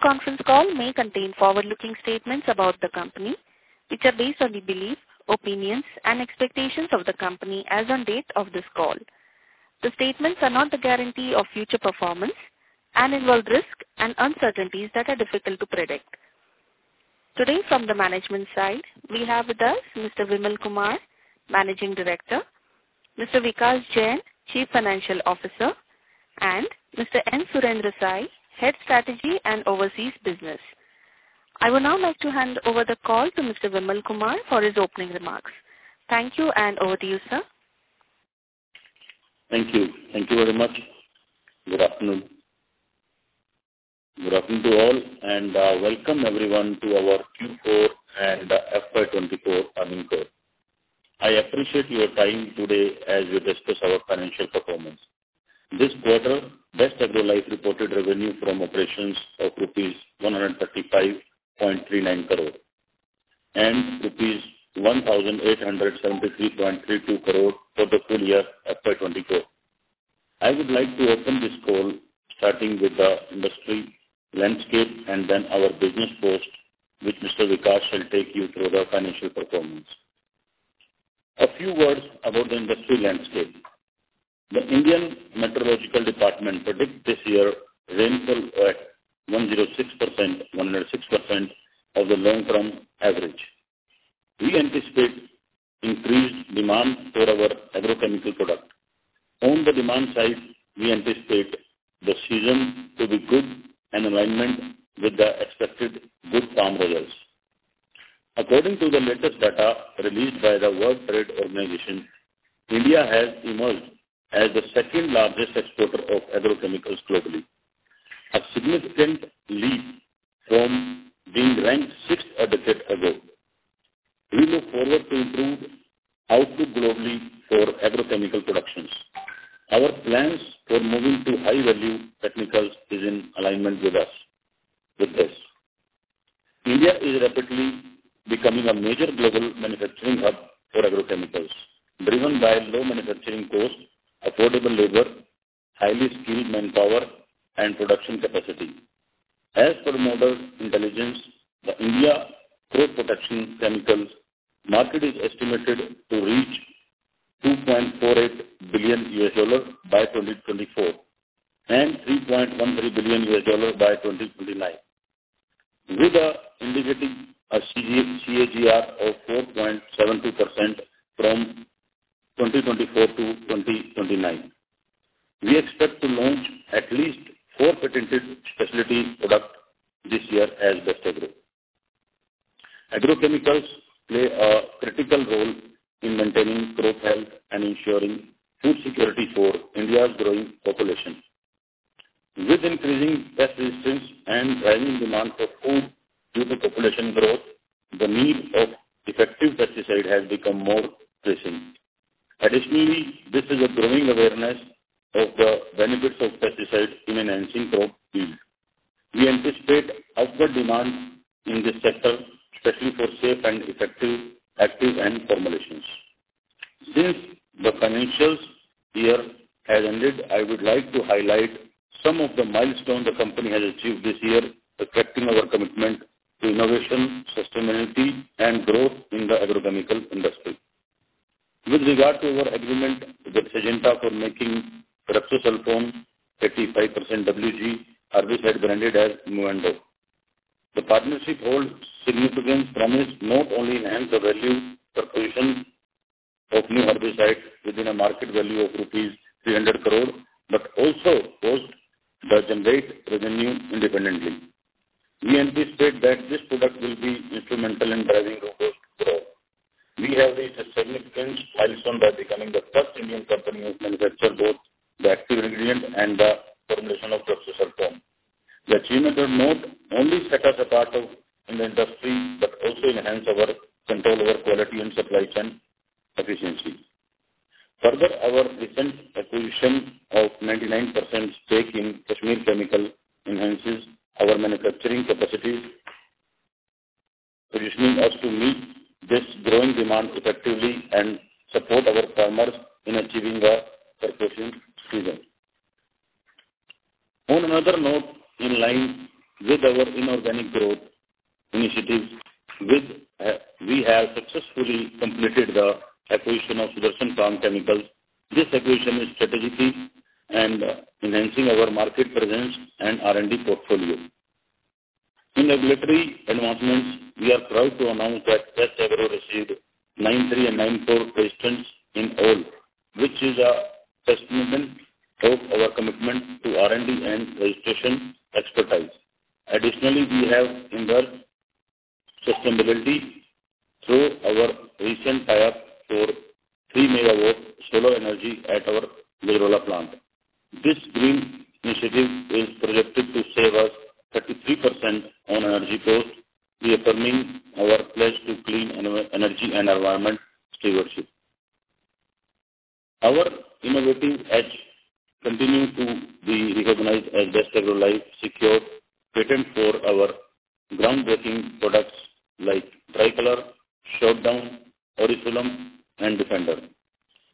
...The conference call may contain forward-looking statements about the company, which are based on the belief, opinions, and expectations of the company as on date of this call. The statements are not a guarantee of future performance and involve risks and uncertainties that are difficult to predict. Today, from the management side, we have with us Mr. Vimal Kumar, Managing Director, Mr. Vikas Jain, Chief Financial Officer, and Mr. N. Surendra Sai, Head, Strategy and Overseas Business. I would now like to hand over the call to Mr. Vimal Kumar for his opening remarks. Thank you, and over to you, sir. Thank you. Thank you very much. Good afternoon. Good afternoon to all, and welcome everyone to our Q4 and FY 2024 earnings call. I appreciate your time today as we discuss our financial performance. This quarter, Best Agrolife reported revenue from operations of rupees 135.39 crore, and rupees 1,873.32 crore for the full year FY 2024. I would like to open this call, starting with the industry landscape and then our business ops, which Mr. Vikas shall take you through the financial performance. A few words about the industry landscape. The Indian Meteorological Department predicts this year rainfall at 106%, 106% of the long-term average. We anticipate increased demand for our agrochemical product. On the demand side, we anticipate the season to be good and alignment with the expected good farm results. According to the latest data released by the World Trade Organization, India has emerged as the second largest exporter of agrochemicals globally, a significant leap from being ranked sixth a decade ago. We look forward to improved output globally for agrochemical productions. Our plans for moving to high value technicals is in alignment with us, with this. India is rapidly becoming a major global manufacturing hub for agrochemicals, driven by low manufacturing costs, affordable labor, highly skilled manpower, and production capacity. As per Mordor Intelligence, the India crop protection chemicals market is estimated to reach $2.48 billion by 2024, and $3.13 billion by 2029, with an indicated CAGR of 4.72% from 2024 to 2029. We expect to launch at least four patented specialty products this year as Best Agrolife. Agrochemicals play a critical role in maintaining crop health and ensuring food security for India's growing population. With increasing pest resistance and rising demand for food due to population growth, the need of effective pesticide has become more pressing. Additionally, this is a growing awareness of the benefits of pesticides in enhancing crop yield. We anticipate upward demand in this sector, especially for safe and effective, active and formulations. Since the financial year has ended, I would like to highlight some of the milestones the company has achieved this year, reflecting our commitment to innovation, sustainability, and growth in the agrochemical industry. With regard to our agreement with Syngenta for making pyroxysulfone, 85% WG, herbicide branded as Movondo. The partnership holds significant promise, not only enhance the value proposition of new herbicide within a market value of rupees 300 crore, but also to generate revenue independently. We anticipate that this product will be instrumental in driving robust growth. We have reached a significant milestone by becoming the first Indian company to manufacture both the active ingredient and the formulation of pyroxysulfone. The achievement will not only set us apart in the industry, but also enhance our control over quality and supply chain efficiency. Further, our recent acquisition of 99% stake in Kashmir Chemicals enhances our manufacturing capacities, positioning us to meet this growing demand effectively and support our farmers in achieving a flourishing season. On another note, in line with our inorganic growth initiatives, which we have successfully completed the acquisition of Sudarshan Farm Chemicals. This acquisition is strategically and enhancing our market presence and R&D portfolio. In regulatory advancements, we are proud to announce that Best Agrolife received 93 and 94 registrations in all, which is a testament of our commitment to R&D and registration expertise. Additionally, we have embraced sustainability through our recent tie-up for 3 MW solar energy at our Gajraula plant. This green initiative is projected to save us 33% on energy costs, reaffirming our pledge to clean energy and environmental stewardship. Our innovative edge continuing to be recognized as Best Agrolife secures patent for our groundbreaking products like Tricolor, Warden, Orisulam, and Defender.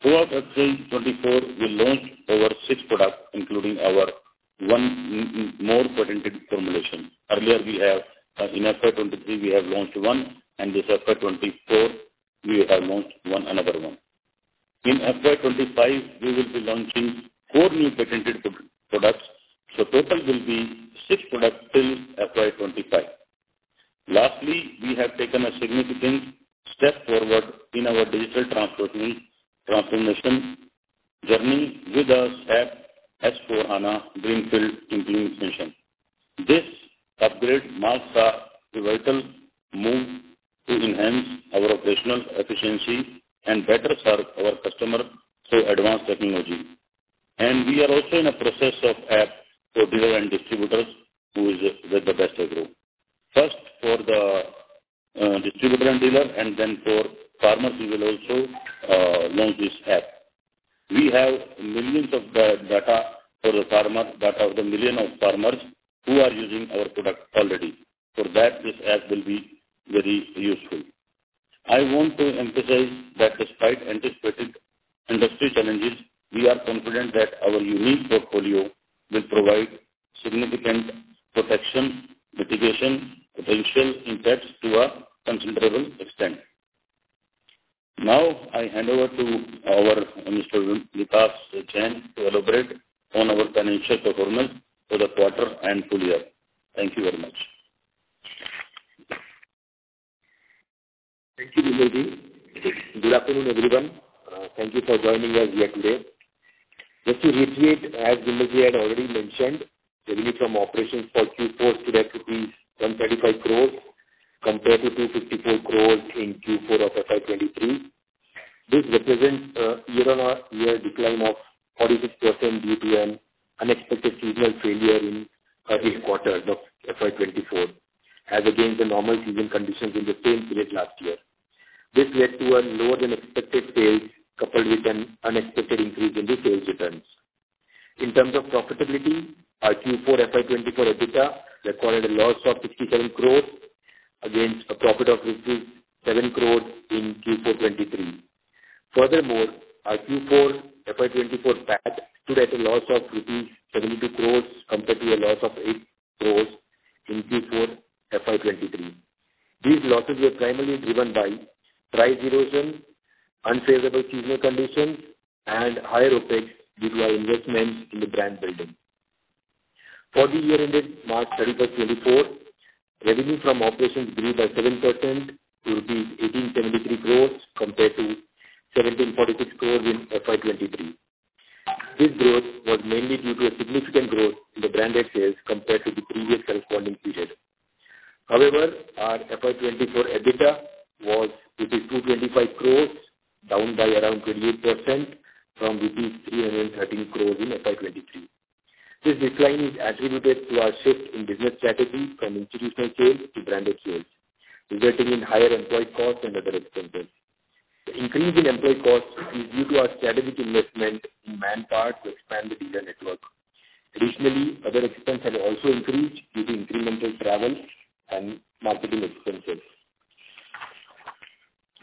Throughout FY 2024, we launched over six products, including our one more patented formulation. Earlier, we have in FY 2023, we have launched one, and this FY 2024, we have launched one, another one. In FY 2025, we will be launching four new patented products, so total will be six products in FY 2025. Lastly, we have taken a significant step forward in our digital transformation journey with a SAP S/4HANA Greenfield implementation. This upgrade marks a vital move to enhance our operational efficiency and better serve our customers through advanced technology. We are also in a process of app for dealer and distributors who is with the [Dr. Reddy's]. First, for the distributor and dealer, and then for farmers, we will also launch this app. We have millions of the data for the farmers, data of the million of farmers who are using our product already. For that, this app will be very useful. I want to emphasize that despite anticipated industry challenges, we are confident that our unique portfolio will provide significant protection, mitigation, potential impacts to a considerable extent. Now, I hand over to our Mr. Vikas Jain to elaborate on our financial performance for the quarter and full year. Thank you very much. Thank you, Vimalji. Good afternoon, everyone. Thank you for joining us here today. Just to reiterate, as Vimalji had already mentioned, revenue from operations for Q4 stood at rupees 135 crores, compared to 254 crores in Q4 of FY 2023. This represents a year-on-year decline of 46% due to an unexpected seasonal failure in current quarter of FY 2024, as against the normal season conditions in the same period last year. This led to a lower than expected sales, coupled with an unexpected increase in the sales returns. In terms of profitability, our Q4 FY 2024 EBITDA recorded a loss of 67 crore against a profit of rupees 57 crore in Q4 2023. Furthermore, our Q4 FY 2024 PAT stood at a loss of rupees 72 crore compared to a loss of 8 crore in Q4 FY 2023. These losses were primarily driven by price erosion, unfavorable seasonal conditions, and higher OpEx due to our investments in the brand building. For the year ended March 31, 2024, revenue from operations grew by 7% to rupees 1,873 crore compared to 1,746 crore in FY 2023. This growth was mainly due to a significant growth in the branded sales compared to the previous corresponding period. However, our FY 2024 EBITDA was 225 crore, down by around 28% from 313 crore in FY 2023. This decline is attributed to our shift in business strategy from institutional sales to branded sales, resulting in higher employee costs and other expenses. The increase in employee costs is due to our strategic investment in manpower to expand the dealer network. Additionally, other expenses have also increased due to incremental travel and marketing expenses.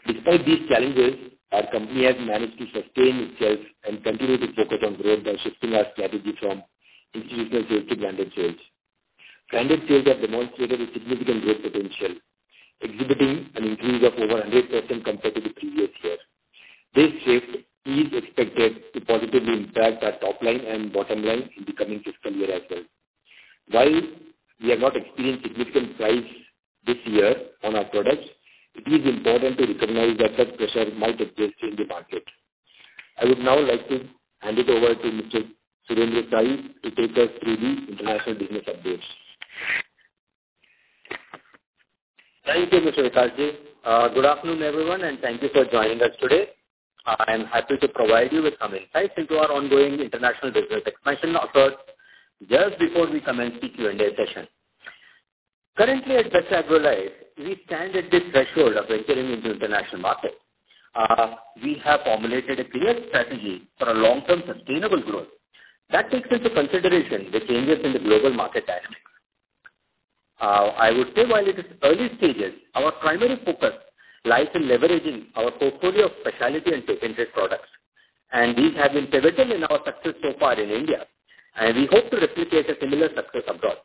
Despite these challenges, our company has managed to sustain itself and continue to focus on growth by shifting our strategy from institutional sales to branded sales. Branded sales have demonstrated a significant growth potential, exhibiting an increase of over 100% compared to the previous year. This shift is expected to positively impact our top line and bottom line in the coming fiscal year as well. While we have not experienced significant price this year on our products, it is important to recognize that such pressure might persist in the market. I would now like to hand it over to Mr. Surendra Sai to take us through the international business updates. Thank you, Mr. Vikasji. Good afternoon, everyone, and thank you for joining us today. I am happy to provide you with some insights into our ongoing international business expansion efforts just before we commence the Q&A session. Currently, at Best Agrolife, we stand at the threshold of entering into international market. We have formulated a clear strategy for a long-term sustainable growth that takes into consideration the changes in the global market dynamics. I would say while it is early stages, our primary focus lies in leveraging our portfolio of specialty and patented products, and these have been pivotal in our success so far in India, and we hope to replicate a similar success abroad.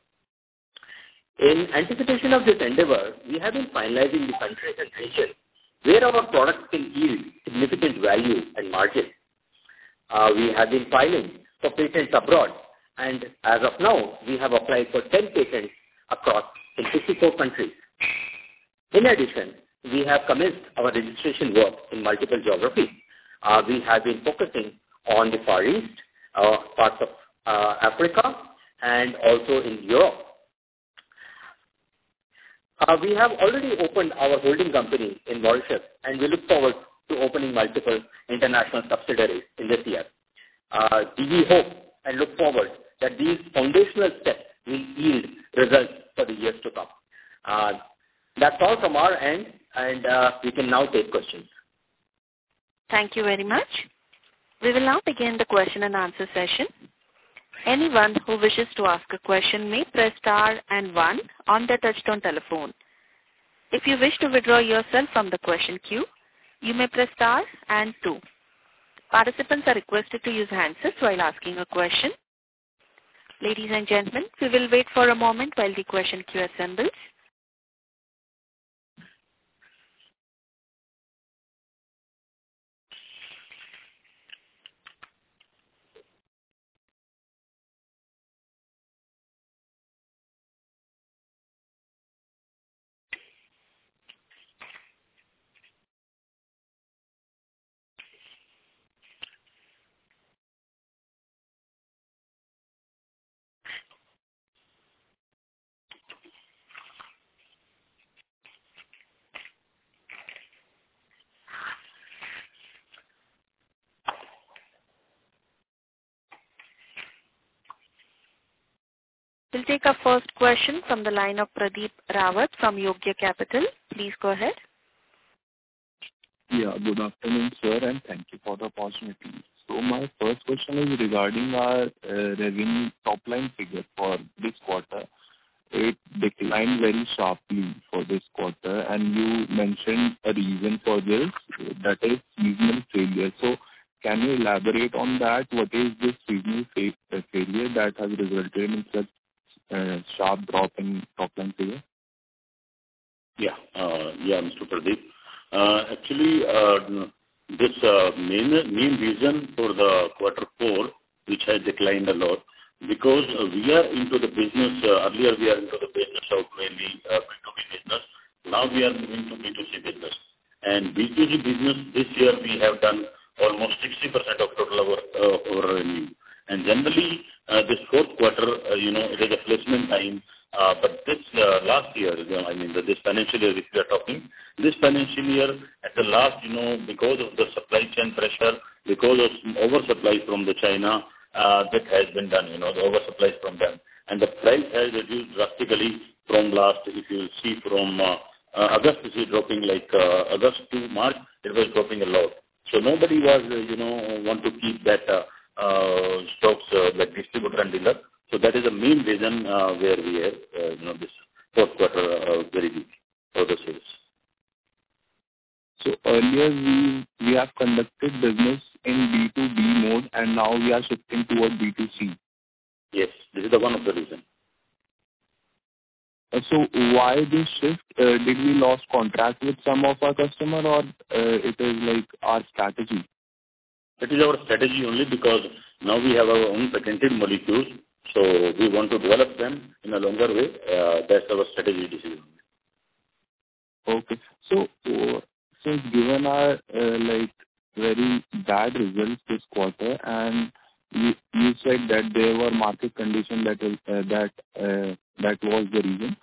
In anticipation of this endeavor, we have been finalizing the countries and regions where our products can yield significant value and margin. We have been filing for patents abroad, and as of now, we have applied for 10 patents across in 54 countries. In addition, we have commenced our registration work in multiple geographies. We have been focusing on the Far East, parts of Africa and also in Europe. We have already opened our holding company in Mauritius, and we look forward to opening multiple international subsidiaries in this year. We hope and look forward that these foundational steps will yield results for the years to come. That's all from our end, and we can now take questions. Thank you very much. We will now begin the question-and-answer session. Anyone who wishes to ask a question may press star and one on their touchtone telephone. If you wish to withdraw yourself from the question queue, you may press star and two. Participants are requested to use handsets while asking a question. Ladies and gentlemen, we will wait for a moment while the question queue assembles. We'll take our first question from the line of Pradeep Rawat from Yogya Capital. Please go ahead. Yeah, good afternoon, sir, and thank you for the opportunity. So my first question is regarding our revenue top-line figure for this quarter. It declined very sharply for this quarter, and you mentioned a reason for this, that is, seasonal failure. So can you elaborate on that? What is this seasonal failure that has resulted in such sharp drop in top-line figure? Yeah. Yeah, Mr. Pradeep. Actually, this main reason for the quarter four, which has declined a lot, because we are into the business, earlier we are into the business of mainly B2B business. Now we are moving to B2C business. And B2B business, this year we have done almost 60% of total our our revenue. And generally, this fourth quarter, you know, it is a placement time, but this last year, you know, I mean, this financial year, which we are talking, this financial year, at the last, you know, because of the supply chain pressure, because of oversupply from the China, that has been done, you know, the oversupply from them. And the price has reduced drastically from last. If you see from August, this is dropping like August to March, it was dropping a lot. So nobody was, you know, want to keep that stocks, like distributor and dealer. So that is the main reason where we are, you know, this fourth quarter very weak for the sales. Earlier we have conducted business in B2B mode, and now we are shifting towards B2C? Yes, this is one of the reasons. So why this shift? Did we lose contract with some of our customer, or it is like our strategy? It is our strategy only because now we have our own patented molecules, so we want to develop them in a longer way. That's our strategy decision. Okay. So, given our, like, very bad results this quarter, and you said that there were market conditions that was the reason.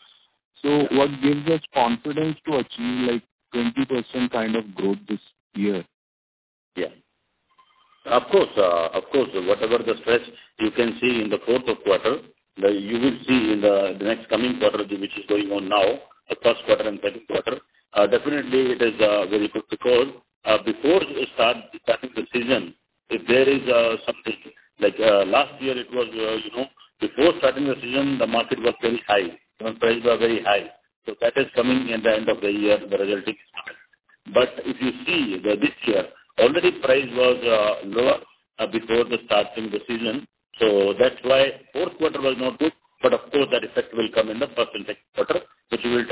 So what gives us confidence to achieve, like, 20% kind of growth this year? Yeah. Of course, whatever the stretch you can see in the fourth quarter, you will see in the next coming quarter, which is going on now, the first quarter and second quarter. Definitely it is very good because before you start starting the season, if there is something like last year it was, you know, before starting the season, the market was very high, you know, prices were very high. So that is coming in the end of the year, the resulting start. But if you see this year, already price was lower before the starting the season, so that's why fourth quarter was not good. But of course, the effect will come in the first and second quarter, which we will,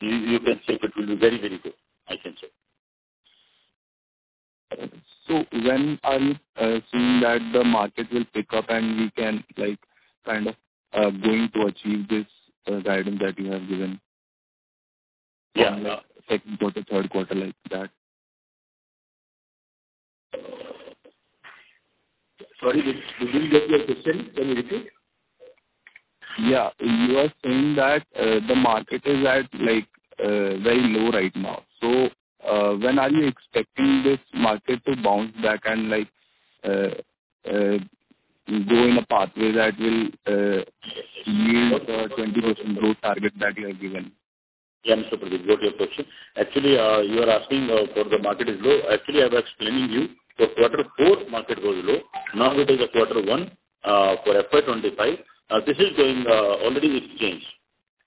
you can say it will be very, very good. I can say. So when are you seeing that the market will pick up and we can like, kind of, going to achieve this guidance that you have given? Yeah. Second quarter, third quarter, like that. Sorry, did you get my question? Can you repeat? Yeah. You are saying that, the market is at, like, very low right now. So, when are you expecting this market to bounce back and, like, go in a pathway that will, yield a 20% growth target that you have given? Yeah, Mr. Pradeep, got your question. Actually, you are asking, for the market is low. Actually, I was explaining you, for quarter four, market was low. Now it is a quarter one, for FY 2025. This is going, already it's changed.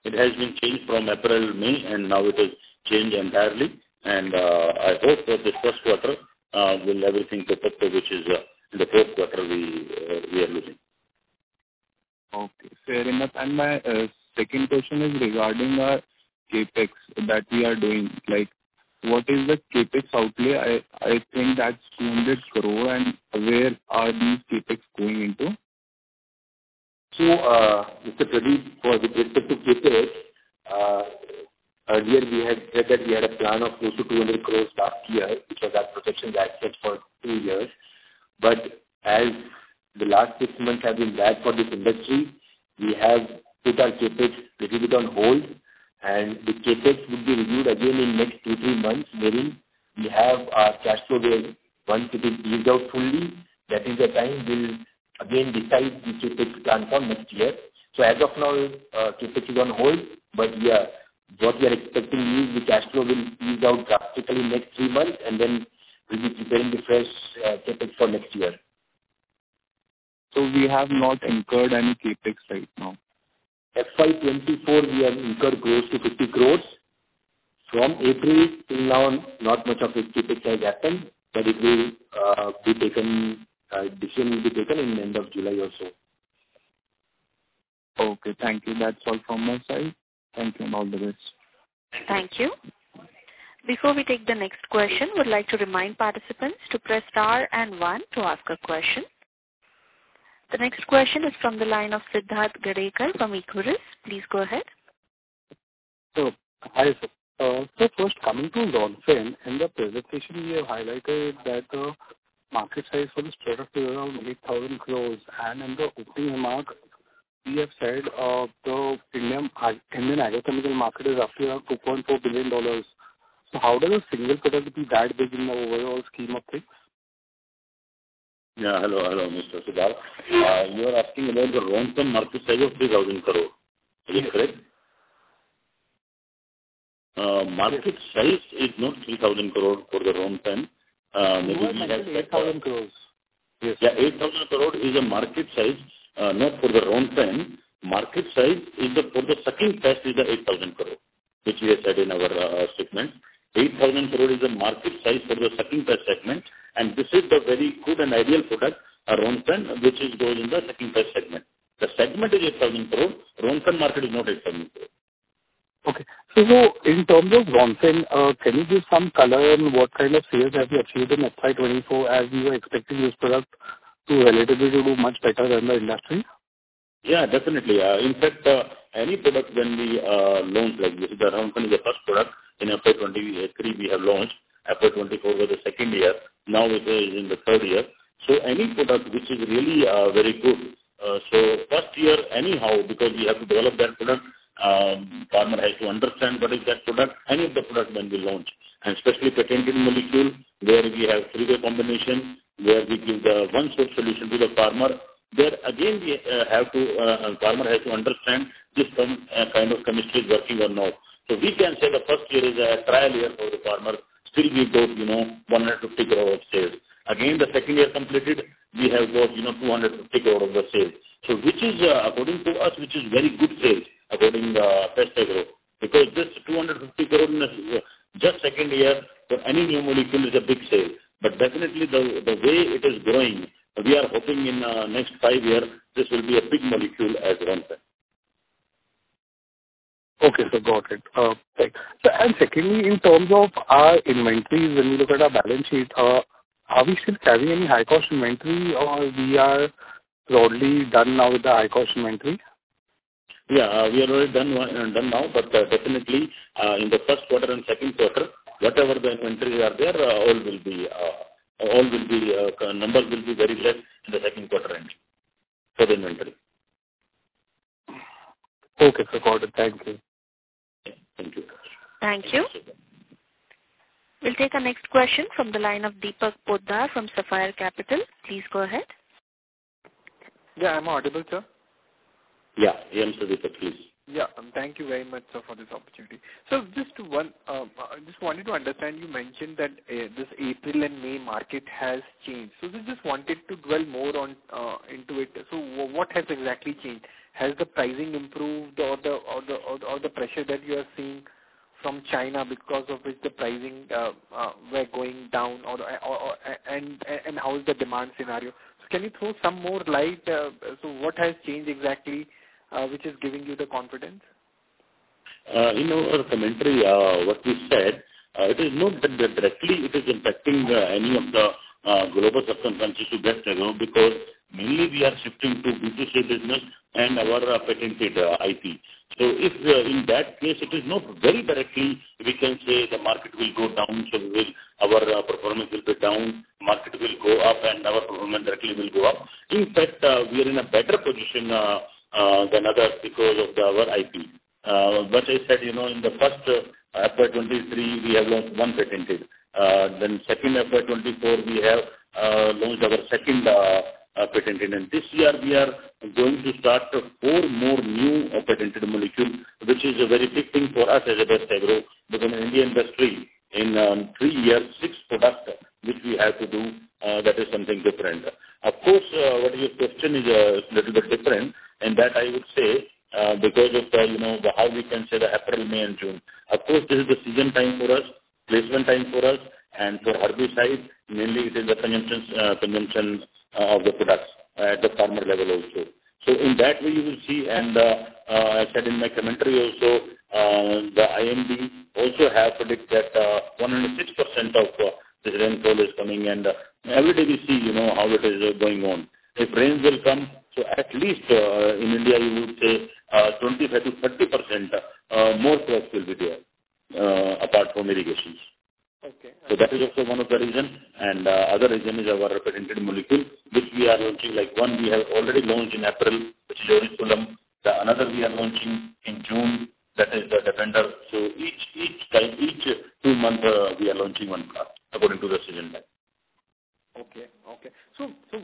It has been changed from April, May, and now it has changed entirely. And, I hope that this first quarter, will everything better, which is, the fourth quarter we, we are losing. Okay, fair enough. And my second question is regarding our CapEx that we are doing. Like, what is the CapEx outlay? I think that's INR 200 crore, and where are these CapEx going into? So, Mr. Pradeep, for the CapEx, earlier we had said that we had a plan of close to 200 crore last year, which was our projection that set for two years. But as the last six months have been bad for this industry, we have put our CapEx little bit on hold, and the CapEx would be reviewed again in next two, three months, wherein we have our cash flow, where once it is eased out fully, that is the time we'll again decide the CapEx plan for next year. So as of now, CapEx is on hold, but yeah, what we are expecting is the cash flow will ease out drastically in next three months, and then we'll be preparing the fresh CapEx for next year.... So we have not incurred any CapEx right now. FY 2024, we have incurred close to 50 crore. From April till now, not much of this CapEx has happened, but it will be taken, decision will be taken in the end of July or so. Okay, thank you. That's all from my side. Thank you, and all the best. Thank you. Before we take the next question, we'd like to remind participants to press star and one to ask a question. The next question is from the line of Siddharth Gadekar from Equirus. Please go ahead. Hi, sir. First, coming to Ronfen, in the presentation you have highlighted that the market size for this product is around 8,000 crore, and in the opening remarks, you have said, the Indian Indian agrochemical market is roughly around $2.4 billion. How does a single product be that big in the overall scheme of things? Yeah. Hello, hello, Mr. Siddharth. You are asking about the Ronfen market size of 3,000 crore, is it correct? Yes. Market size is not 3,000 crore for the Ronfen, maybe we have- No, 8,000 crore. Yes. Yeah, 8,000 crore is a market size, not for the Ronfen. Market size is the, for the sucking pest is the 8,000 crore, which we have said in our, statement. 8,000 crore is the market size for the sucking pest segment, and this is the very good and ideal product, Ronfen, which is going in the sucking pest segment. The segment is 8,000 crores, Ronfen market is not 8,000 crores. Okay. So now in terms of Ronfen, can you give some color on what kind of sales have you achieved in FY 2024, as you are expecting this product to relatively do much better than the industry? Yeah, definitely. In fact, any product when we launch like this, the Ronfen is a first product in FY 2023 we have launched. FY 2024 was the second year, now it is in the third year. So any product which is really very good, so first year anyhow, because we have to develop that product, farmer has to understand what is that product, any of the product when we launch. And especially patented molecule, where we have three-way combination, where we give the one sort solution to the farmer, there again, we have to, farmer has to understand this some kind of chemistry is working or not. So we can say the first year is a trial year for the farmer. Still we've got, you know, 150 crore of sales. Again, the second year completed, we have got, you know, 250 crore of the sales. So which is, according to us, which is very good sales according to the Best Agrolife, because this 250 crore in a just second year for any new molecule is a big sale. But definitely the way it is growing, we are hoping in next five year, this will be a big molecule as Ronfen. Okay, sir, got it. Thanks. So and secondly, in terms of our inventory, when we look at our balance sheet, are we still carrying any high-cost inventory or we are broadly done now with the high-cost inventory? Yeah. We are already done one, done now, but definitely, in the first quarter and second quarter, whatever the inventories are there, all will be, all will be, numbers will be very less in the second quarter end for the inventory. Okay, sir. Got it. Thank you. Thank you. Thank you. We'll take our next question from the line of Deepak Poddar from Sapphire Capital. Please go ahead. Yeah, am I audible, sir? Yeah, we can hear you, sir. Please. Yeah. Thank you very much, sir, for this opportunity. So just one, just wanted to understand, you mentioned that this April and May market has changed. So we just wanted to dwell more on into it. So what has exactly changed? Has the pricing improved or the pressure that you are seeing from China because of which the pricing were going down or and how is the demand scenario? So can you throw some more light, so what has changed exactly, which is giving you the confidence? In our commentary, what we said, it is not that directly it is impacting any of the global substance countries to get to know, because mainly we are shifting to B2C business and our patented IP. So if in that case, it is not very directly we can say the market will go down, so we will our performance will go down, market will go up, and our performance directly will go up. In fact, we are in a better position than others because of our IP. But I said, you know, in the first FY 2023, we have launched one patented. Then second, FY 2024, we have launched our second patented, and this year we are going to start 4 more new patented molecule, which is a very big thing for us as a Best Agrolife, because in Indian industry, in three years, six products, which we have to do, that is something different. Of course, what you question is little bit different, and that I would say, because of the, you know, the how we can say the April, May and June. Of course, this is the season time for us, placement time for us, and for herbicides, mainly it is the consumption, consumption of the products at the farmer level also. So in that way, you will see, and, I said in my commentary also, the IMD also have predicted that, 106% of this rainfall is coming, and every day we see, you know, how it is going on. If rains will come, so at least, in India, we would say, 25%-30%, more crops will be there, apart from irrigations. Okay. So that is also one of the reason. And, other reason is our patented molecule, which we are launching, like, one we have already launched in April, which is Orisulam. The another we are launching in June, that is, the Defender. So each, each time, each two month, we are launching one product according to the season map. Okay, okay. So, so,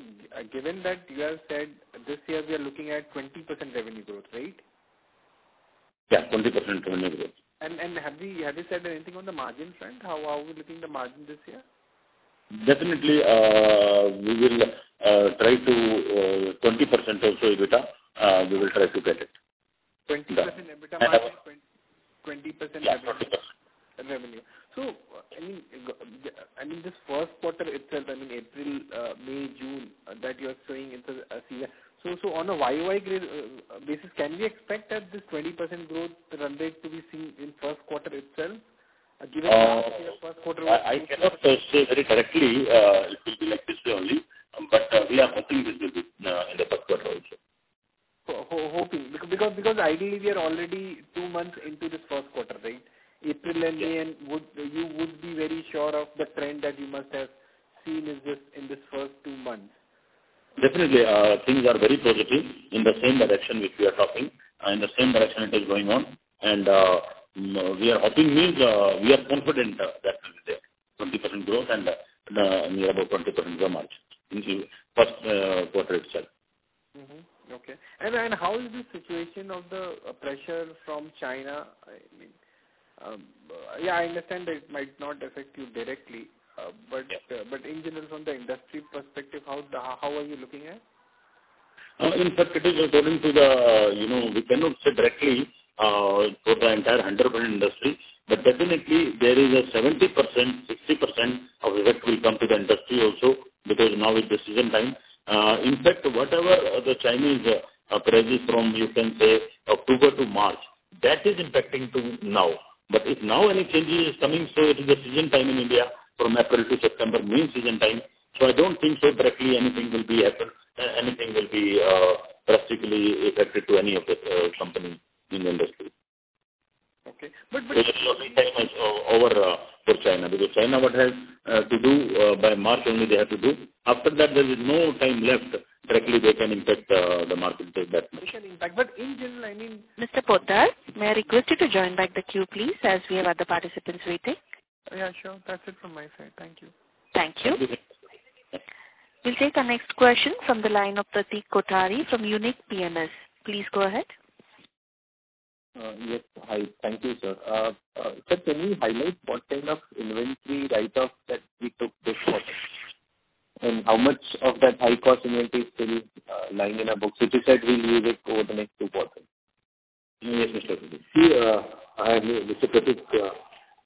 given that you have said this year we are looking at 20% revenue growth, right?... Yeah, 20% revenue growth. Have you said anything on the margin front? How are we looking the margin this year? Definitely, we will try to 20% or so EBITDA, we will try to get it. 20% EBITDA margin- And our- 20% revenue. Yeah, 20%. Revenue. So, I mean, I mean, this first quarter itself, I mean, April, May, June, that you are seeing in Q1. So, on a YoY growth basis, can we expect that this 20% growth run rate to be seen in first quarter itself, given that your first quarter- I cannot say very correctly. It will be like this only, but we are hoping this will be in the first quarter also. Hoping. Because ideally we are already two months into this first quarter, right? April and May- Yeah. And would you be very sure of the trend that you must have seen in this first two months? Definitely, things are very positive in the same direction which we are talking, in the same direction it is going on. And, we are hoping means, we are confident that, that will be there, 20% growth and, near about 20% raw margin in the first quarter itself. Mm-hmm. Okay. And how is the situation of the pressure from China? I mean, yeah, I understand that it might not affect you directly. Yeah. But in general, from the industry perspective, how are you looking at it? In fact, it is according to the, you know, we cannot say directly for the entire 100% industry, but definitely there is a 70%, 60% of effect will come to the industry also, because now is decision time. In fact, whatever the Chinese are crazy from, you can say, October to March, that is impacting to now. But if now any changes is coming, so it is the season time in India, from April to September, main season time, so I don't think so directly anything will be anything will be drastically affected to any of the company in the industry. Okay. But, So the time is over for China, because China what has to do by March only they have to do. After that, there is no time left. Directly they can impact the market like that. Potential impact. But in general, I mean- Mr. Poddar, may I request you to join back the queue, please, as we have other participants waiting? Yeah, sure. That's it from my side. Thank you. Thank you. Thank you. We'll take the next question from the line of Pratik Kothari from Unique PMS. Please go ahead. Yes. Hi. Thank you, sir. Sir, can you highlight what kind of inventory write-off that we took this quarter? And how much of that high-cost inventory is still lying in our books, which you said we'll use it over the next two quarters? Yes, Mr. Pratik. See, Mr. Pratik,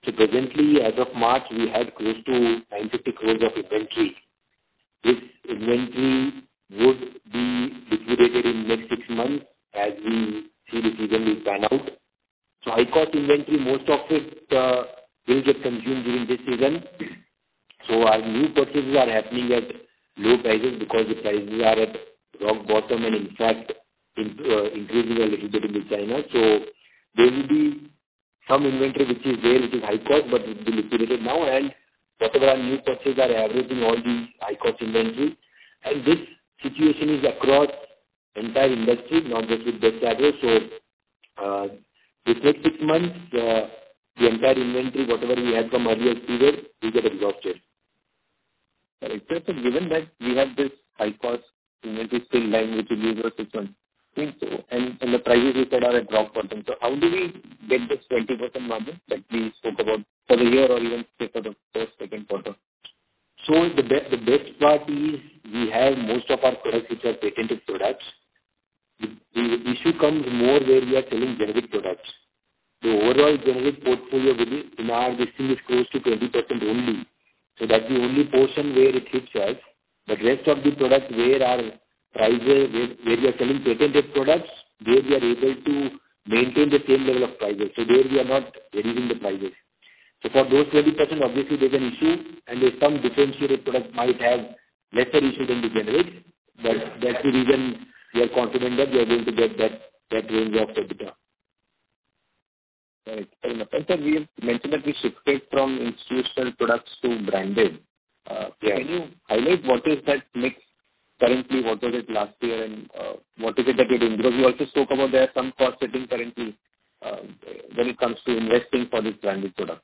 so presently, as of March, we had close to 92 crores of inventory. This inventory would be liquidated in next six months as we see the season will pan out. So high-cost inventory, most of it, will get consumed during this season. So our new purchases are happening at low prices because the prices are at rock bottom and in fact, in increasing a little bit in China. So there will be some inventory which is there, which is high cost, but it will be liquidated now, and whatever our new purchases are averaging all these high-cost inventory. This situation is across entire industry, not just with Best Agrolife. So, within six months, the entire inventory, whatever we had from earlier period, will get exhausted. Right. Just that given that we have this high-cost inventory still lying, which will use six months, I think so, and the prices you said are at rock bottom. So how do we get this 20% margin that we spoke about for the year or even say for the first, second quarter? So the best part is we have most of our products which are patented products. The issue comes more where we are selling generic products. The overall generic portfolio will be, in our listing, is close to 20% only. So that's the only portion where it hits us, but rest of the products, where our prices, where, where we are selling patented products, there we are able to maintain the same level of prices. So there we are not reducing the prices. So for those 20%, obviously there's an issue, and some differentiated products might have lesser issue than the generic. Yeah. But that's the reason we are confident that we are going to get that, that range of EBITDA. Right. And sir, we have mentioned that we shifted from institutional products to branded. Yeah. Can you highlight what is that mix currently, what was it last year, and, uh, what is it that you're doing? Because you also spoke about there are some cost-cutting currently, when it comes to investing for this branded product.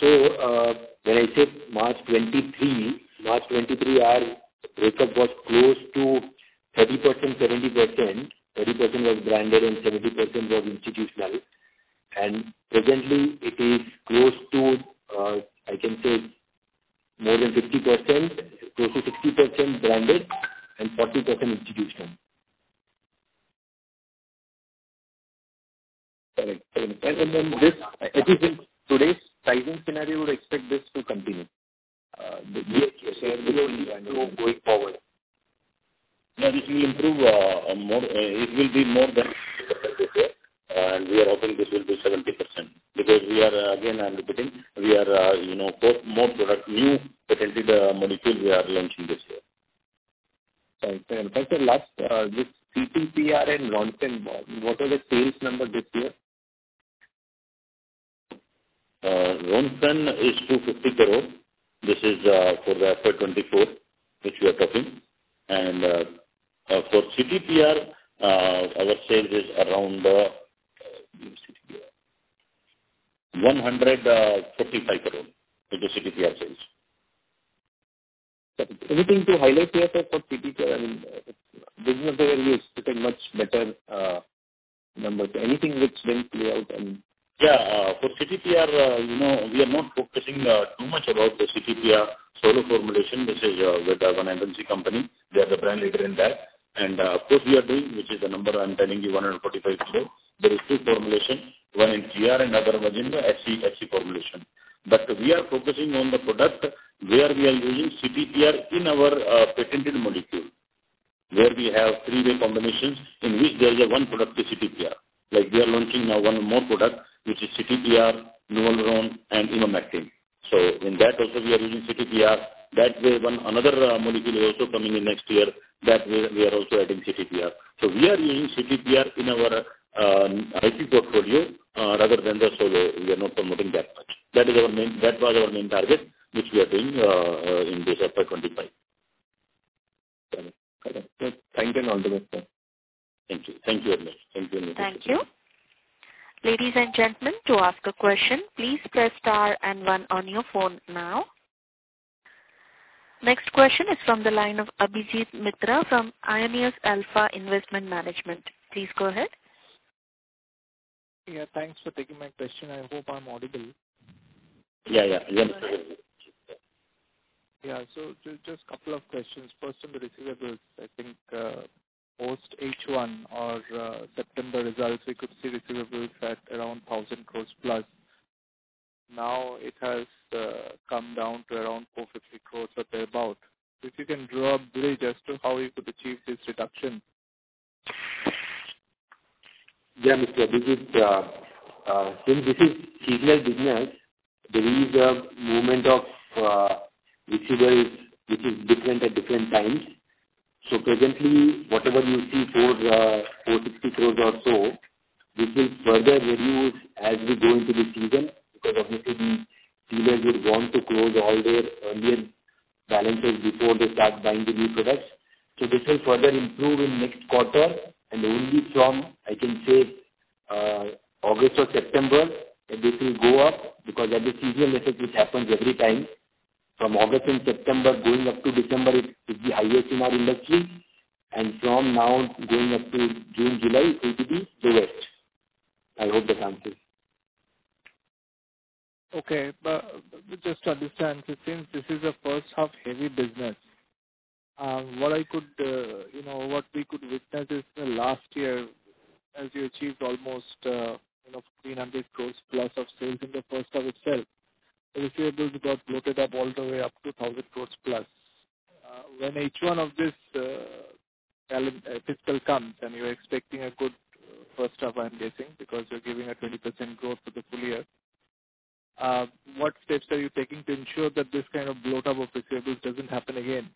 So, when I said March 2023, March 2023, our breakup was close to 30%, 70%. 30% was branded and 70% was institutional. And presently, it is close to, I can say more than 50%, close to 60% branded and 40% institutional. Correct. And, and then this, it is in today's pricing scenario, you would expect this to continue, going forward? No, this will improve, more. It will be more than this year, and we are hoping this will be 70%. Because we are, again, I'm repeating, we are, you know, for more product, new patented, molecule we are launching this year. Right. And sir, last, this CTPR and Ronfen, what are the sales number this year? Ronfen is 250 crore. This is for the FY 2024, which we are talking. And for CTPR, our sales is around INR 155 crore with the CTPR sales. Anything to highlight here for CTPR, I mean, business area is looking much better number. Anything which will play out and- Yeah, for CTPR, you know, we are not focusing too much about the CTPR solo formulation. This is with an MNC company. They are the brand leader in that. And of course, we are doing, which is the number I'm telling you, 145 sales. There is two formulation, one in GR and other one in the SC, SC formulation. But we are focusing on the product where we are using CTPR in our patented molecule, where we have three-way combinations in which there is one product to CTPR. Like, we are launching now one more product, which is CTPR, Novaluron, and Emamectin. So in that also, we are using CTPR. That way, another molecule is also coming in next year, that we are also adding CTPR. So we are using CTPR in our IP portfolio rather than the solo. We are not promoting that much. That was our main target, which we are doing in this FY 2025. Got it. Thank you. Thank you. Thank you very much. Thank you. Thank you. Ladies and gentlemen, to ask a question, please press Star and One on your phone now. Next question is from the line of Abhijit Mitra from Aionios Alpha Investment Management. Please go ahead. Yeah, thanks for taking my question. I hope I'm audible. Yeah, yeah. Yeah. So just couple of questions. First, on the receivables, I think, post H1 or September results, we could see receivables at around 1,000 crore plus. Now it has come down to around 450 crore or thereabout. If you can draw a bridge as to how you could achieve this reduction? Yeah, Mr. This is, since this is seasonal business, there is a movement of, receivables, which is different at different times. So presently, whatever you see, 450 crores or so, this will further reduce as we go into the season, because obviously the dealers would want to close all their earlier balances before they start buying the new products. So this will further improve in next quarter, and only from, I can say, August or September, this will go up because that is seasonal effect, which happens every time. From August and September, going up to December, it will be highest in our industry, and from now going up to June, July, it will be the lowest. I hope that answers. Okay. But just to understand, since this is a first-half heavy business, what I could, you know, what we could witness is the last year, as you achieved almost, you know, 300 crore plus of sales in the first half itself, the receivables got bloated up all the way up to 1,000 crore plus. When H1 of this calendar fiscal comes and you're expecting a good first half, I'm guessing, because you're giving a 20% growth for the full year, what steps are you taking to ensure that this kind of bloat-up of receivables doesn't happen again?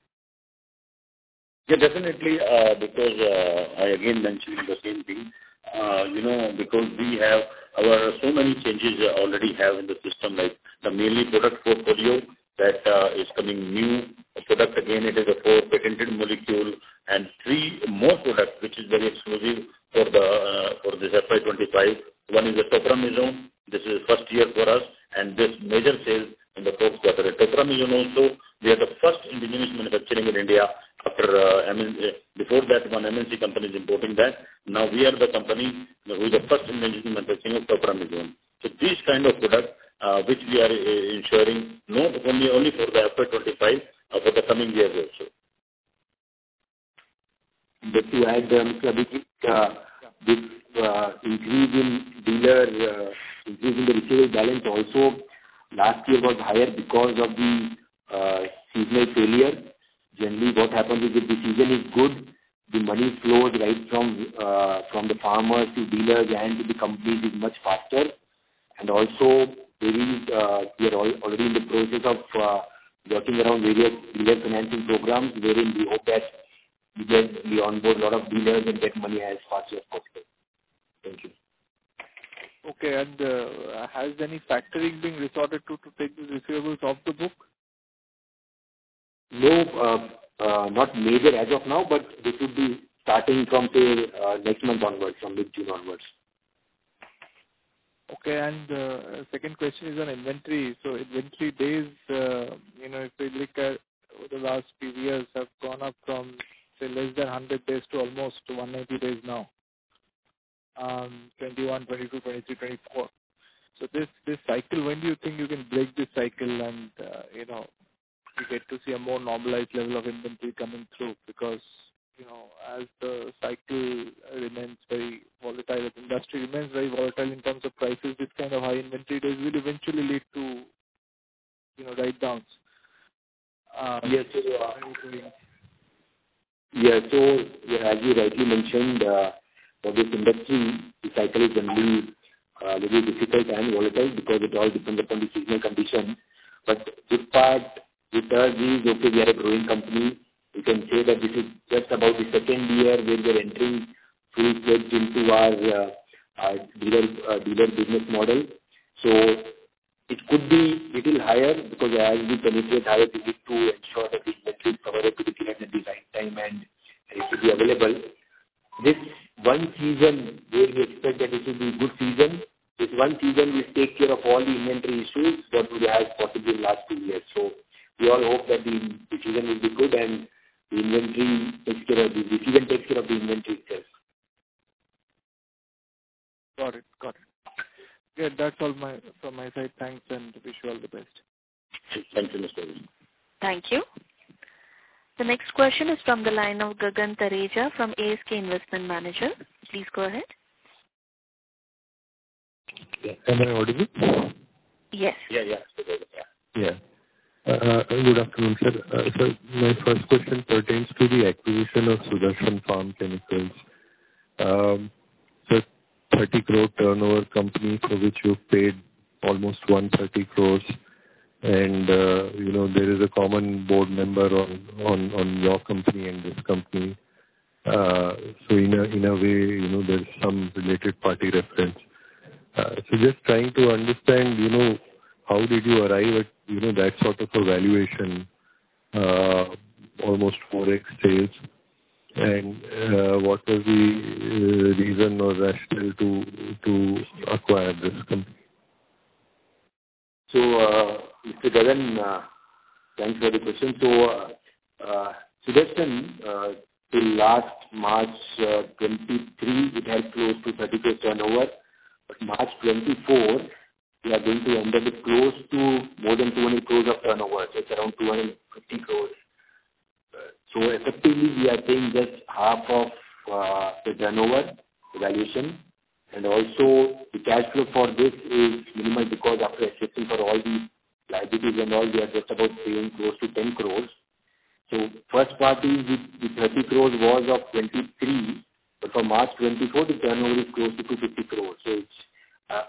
Yeah, definitely, because I again mentioning the same thing. You know, because we have our so many changes we already have in the system, like the mainly product portfolio that is coming new. The product, again, it is a four patented molecule and three more products, which is very exclusive for the for this FY 2025. One is the topramezone. This is first year for us, and this major sales in the fourth quarter. Topramezone also, we are the first indigenous manufacturing in India after. Before that one, MNC company is importing that. Now we are the company, we are the first indigenous manufacturing of topramezone. So these kind of products which we are ensuring not only only for the FY 2025 for the coming year also. Just to add, Mr. Abhijit, this increase in dealer increase in the receivable balance also last year was higher because of the seasonal failure. Generally, what happens is, if the season is good, the money flows right from, from the farmers to dealers, and to the company is much faster. And also, during, we are already in the process of working around various dealer financing programs, wherein we hope that we just, we onboard a lot of dealers and get money as fast as possible. Thank you. Okay, and has any factoring been resorted to, to take the receivables off the book? No, not major as of now, but this would be starting from, say, next month onwards, from mid-June onwards. Okay. Second question is on inventory. Inventory days, you know, if we look at the last few years, have gone up from, say, less than 100 days to almost 190 days now, 2021, 2022, 2023, 2024. This cycle, when do you think you can break this cycle and, you know, we get to see a more normalized level of inventory coming through? Because, you know, as the cycle remains very volatile, the industry remains very volatile in terms of prices, this kind of high inventory days will eventually lead to, you know, write-downs. Yes, so. Yeah, so as you rightly mentioned, for this industry, the cycle is going to be little difficult and volatile because it all depends upon the seasonal condition. But this part, with us, is okay, we are a growing company. We can say that this is just about the second year where we are entering full stretch into our dealer business model. So it could be little higher because as we penetrate higher, we need to ensure that we actually cover up the risk... demand and it should be available. This one season, where we expect that it will be good season. This one season will take care of all the inventory issues what we had possibly in last two years. So we all hope that the season will be good and the inventory takes care of the—the season takes care of the inventory first. Got it. Got it. Yeah, that's all my, from my side. Thanks, and wish you all the best. Thank you, Mr. Arun. Thank you. The next question is from the line of Gagan Thareja from ASK Investment Managers. Please go ahead. Am I audible? Yes. Yeah, yeah. Yeah. Good afternoon, sir. So my first question pertains to the acquisition of Sudarshan Farm Chemicals. So 30 crore turnover company for which you paid almost 130 crore and, you know, there is a common board member on your company and this company. So in a way, you know, there's some related party reference. So just trying to understand, you know, how did you arrive at, you know, that sort of a valuation, uh, almost 4x sales? And, what is the reason or rationale to acquire this company? So, Mr. Gagan, thanks for the question. So, Sudarshan, till last March 2023, it had close to 30 crore turnover, but March 2024, we are going to end up with close to more than 20 crore of turnover. So it's around 250 crore. So effectively, we are paying just half of the turnover valuation and also the cash flow for this is minimal because after adjusting for all the liabilities and all, we are just about paying close to 10 crore. So first part is the, the 30 crore was of 2023, but for March 2024, the turnover is close to 250 crore. So it's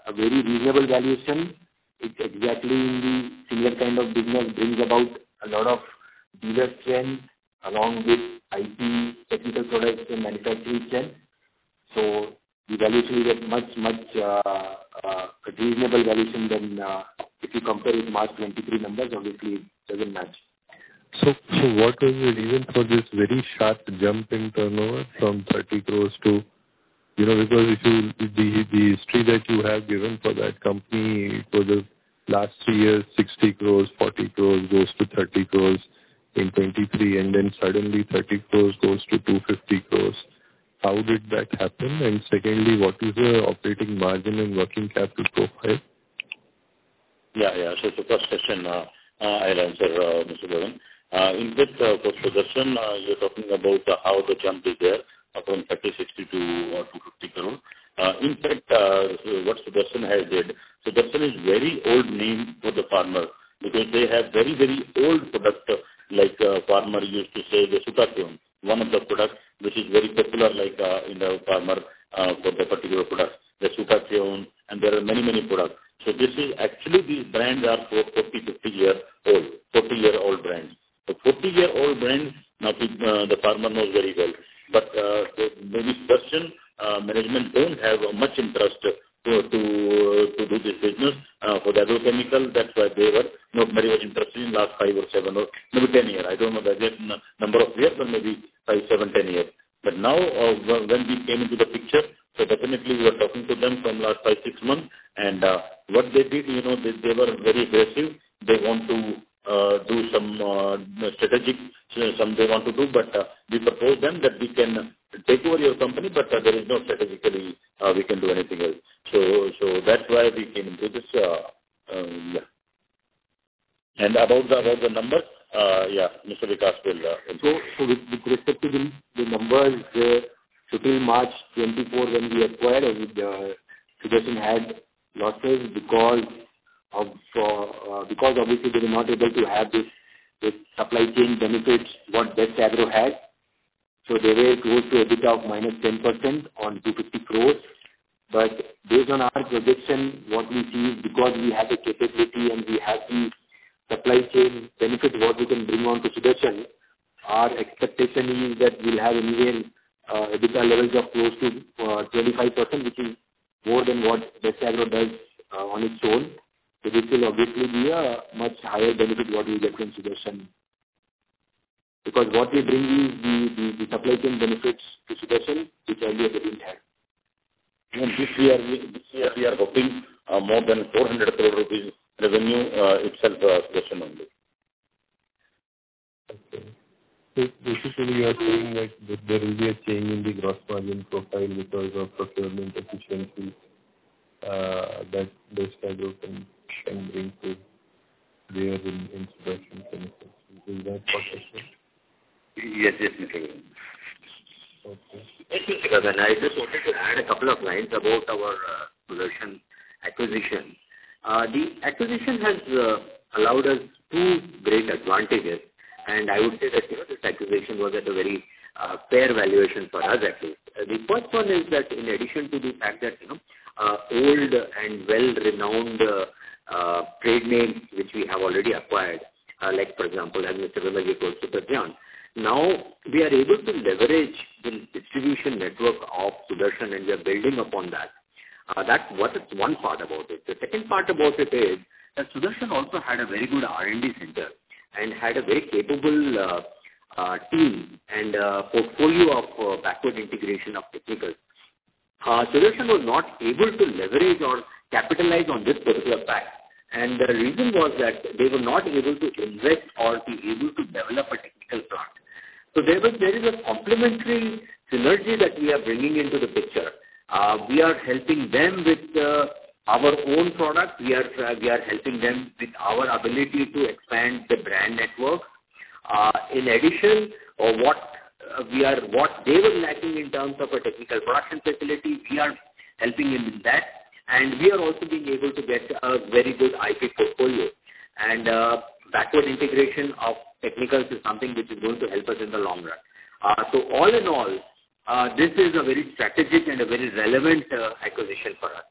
a very reasonable valuation. It's exactly in the similar kind of business, brings about a lot of dealer strength along with IP technical products and manufacturing strength. The valuation is much more reasonable valuation than if you compare with March 2023 numbers. Obviously it doesn't match. So, what is the reason for this very sharp jump in turnover from 30 crore to... You know, because if you, the history that you have given for that company for the last three years, 60 crore, 40 crore, goes to 30 crore in 2023, and then suddenly 30 crore goes to 250 crore. How did that happen? And secondly, what is the operating margin and working capital profile? Yeah, yeah. So the first question, I'll answer, Mr. Gagan. In this, for Sudarshan, you're talking about how the jump is there from 30-60 crore to 250 crore. In fact, so what Sudarshan has did, Sudarshan is very old name for the farmer, because they have very, very old product, like, farmer used to say, the Sutathion, one of the products which is very popular, like, in the farmer, for the particular product, the Sutathion, and there are many, many products. So this is actually, these brands are 40-50-year-old, 40-year-old brands. So 40-year-old brands, now the, the farmer knows very well. But, the maybe Sudarshan, management don't have much interest to, to, to do this business, for the agrochemical. That's why they were not very much interested in last five or seven or maybe 10 years. I don't know the exact number of years, but maybe five, seven, 10 years. But now, when we came into the picture, so definitely we were talking to them from last five, six months. And what they did, you know, they were very aggressive. They want to do some strategic, some they want to do, but we propose them that we can take over your company, but there is no strategically we can do anything else. So that's why we came into this. And about the numbers, yeah, Mr. Vikas will answer. So with respect to the numbers, so till March 2024 when we acquired, Sudarshan had losses because of, for, because obviously they were not able to have the supply chain benefits what Best Agro has. So they were close to a bit of -10% on 250 crore. But based on our prediction, what we see, because we have the capability and we have the supply chain benefit, what we can bring on to Sudarshan, our expectation is that we'll have immediate EBITDA levels of close to 25%, which is more than what Best Agro does on its own. So this will obviously be a much higher benefit what we get from Sudarshan. Because what we bring is the supply chain benefits to Sudarshan, which earlier they didn't have. This year we are hoping more than 400 crore rupees revenue itself, Sudarshan only. Okay. So basically, you are saying that there will be a change in the gross margin profile because of procurement efficiencies that Best Agrolife can bring to bear in Sudarshan Farm Chemicals. Is that what I said? Yes, yes, Mr. Gagan. Okay. Mr. Gagan, I just wanted to add a couple of lines about our Sudarshan acquisition. The acquisition has allowed us two great advantages, and I would say that, you know, this acquisition was at a very fair valuation for us, actually. The first one is that in addition to the fact that, you know, old and well-renowned trade name, which we have already acquired, like, for example, as [Mr. Vijay] goes to Sudarshan. Now, we are able to leverage the distribution network of Sudarshan, and we are building upon that.... That's what is one part about it. The second part about it is, that Sudarshan also had a very good R&D center, and had a very capable team and a portfolio of backward integration of technical. Sudarshan was not able to leverage or capitalize on this particular pack, and the reason was that they were not able to invest or be able to develop a technical product. So there is a complementary synergy that we are bringing into the picture. We are helping them with our own product. We are helping them with our ability to expand the brand network. In addition, what they were lacking in terms of a technical production facility, we are helping them in that, and we are also being able to get a very good IP portfolio. And, backward integration of technicals is something which is going to help us in the long run. So all in all, this is a very strategic and a very relevant acquisition for us.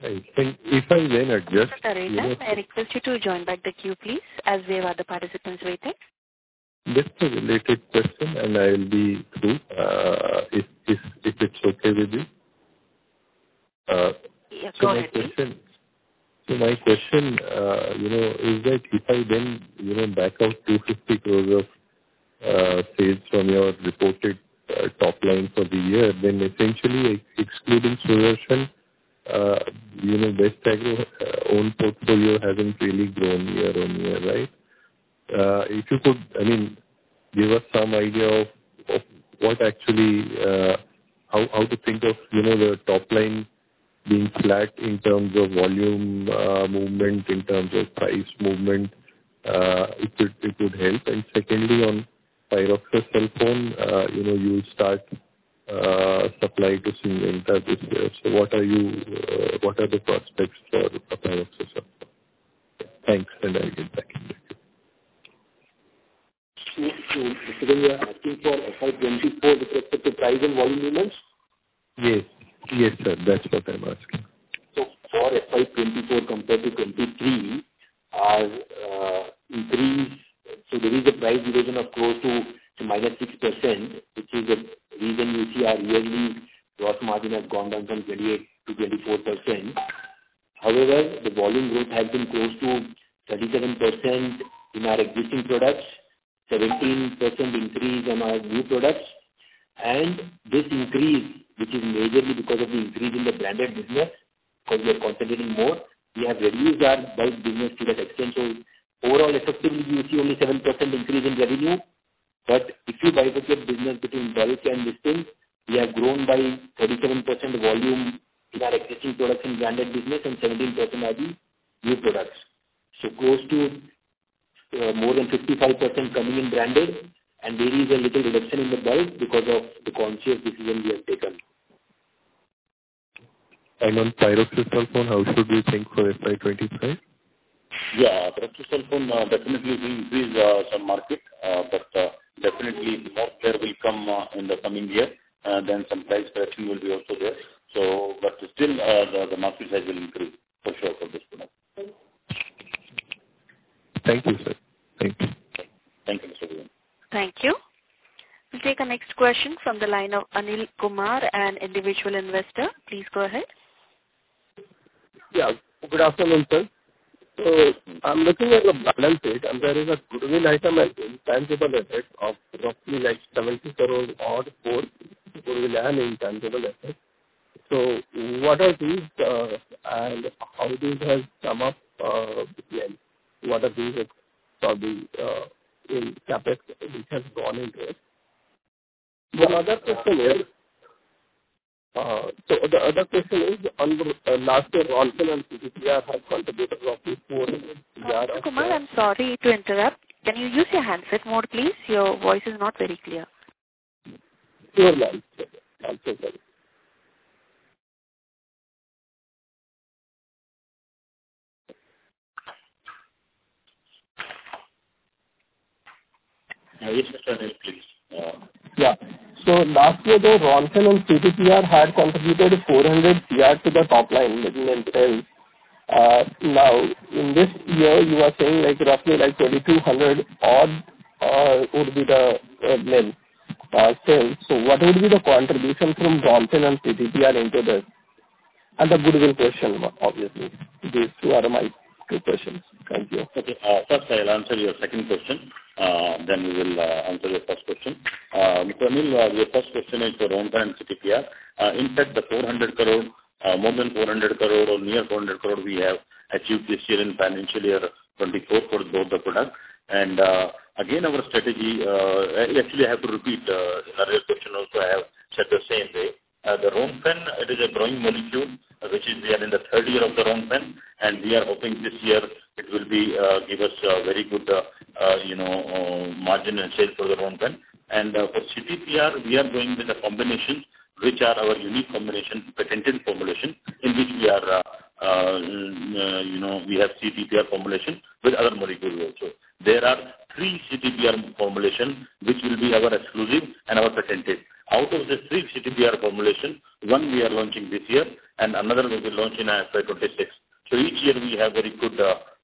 I think if I then adjust- Mr. Thareja, I request you to join back the queue, please, as there are other participants waiting. Just a related question, and I'll be through, if it's okay with you? Yeah, go ahead, please. My question is that if I then back out 250 crores of sales from your reported top line for the year, then essentially excluding Sudarshan, Best Ag's own portfolio hasn't really grown year-on-year, right? If you could, I mean, give us some idea of what actually how to think of the top line being flat in terms of volume movement, in terms of price movement, it would help. And secondly, on pyroxysulfone, you know, you will start supply to Syngenta business. So what are the prospects for pyroxysulfone? Thanks, and I will get back. So, we are asking for FY 2024 with respect to price and volume units? Yes. Yes, sir, that's what I'm asking. So for FY 2024 compared to 2023, our increase... So there is a price reduction of close to, to -6%, which is the reason you see our yearly gross margin has gone down from 28%-24%. However, the volume growth has been close to 37% in our existing products, 17% increase on our new products. And this increase, which is majorly because of the increase in the branded business, because we are concentrating more, we have reduced our bulk business to that extent. So overall, effectively, you see only 7% increase in revenue. But if you bifurcate business between volume and distance, we have grown by 37% volume in our existing products in branded business and 17% RV new products. So close to more than 55% coming in branded, and there is a little reduction in the bulk because of the conscious decision we have taken. On Pyroxysulfone, how should we think for FY 2025? Yeah, Pyroxysulfone, definitely we increase some market, but definitely the headache will come in the coming year, then some price correction will be also there. So but still, the market size will increase for sure for this product. Thank you, sir. Thank you. Thank you, Mr. Vinay. Thank you. We'll take our next question from the line of Anil Kumar, an individual investor. Please go ahead. Yeah, good afternoon, sir. So I'm looking at the balance sheet, and there is a good item in intangible assets of roughly like 70 crore or more and in tangible assets. So what are these, and how this has come up, and what are these, for the, in CapEx which has gone into it? One other question is, so the other question is on the, last year, Ronfen and CTPR have contributed roughly four- Anil Kumar, I'm sorry to interrupt. Can you use your handset mode, please? Your voice is not very clear. Sure, yeah. I'll take that. Yes, sir. Yeah. So last year, the Ronfen and CTPR had contributed 400 crore to the top line in sales. Now, in this year, you are saying, like, roughly like 2,200 odd would be the net sales. So what would be the contribution from Ronfen and CTPR into this? And the goodwill question, obviously. These two are my two questions. Thank you. Okay, first I'll answer your second question, then we will answer your first question. So Anil, your first question is for Ronfen and CTPR. In fact, the 400 crore, more than 400 crore or near 400 crore we have achieved this year in financial year 2024 for both the product. And, again, our strategy, actually, I have to repeat, earlier question also I have said the same way. The Ronfen, it is a growing molecule, which is we are in the third year of the Ronfen, and we are hoping this year it will be, give us a very good, you know, margin and sales for the Ronfen. For CTPR, we are going with a combination which are our unique combination, patented formulation, in which we are, you know, we have CTPR formulation with other molecule also. There are three CTPR formulation, which will be our exclusive and our patented. Out of the three CTPR formulation, one we are launching this year, and another will be launched in FY 2026. So each year we have very good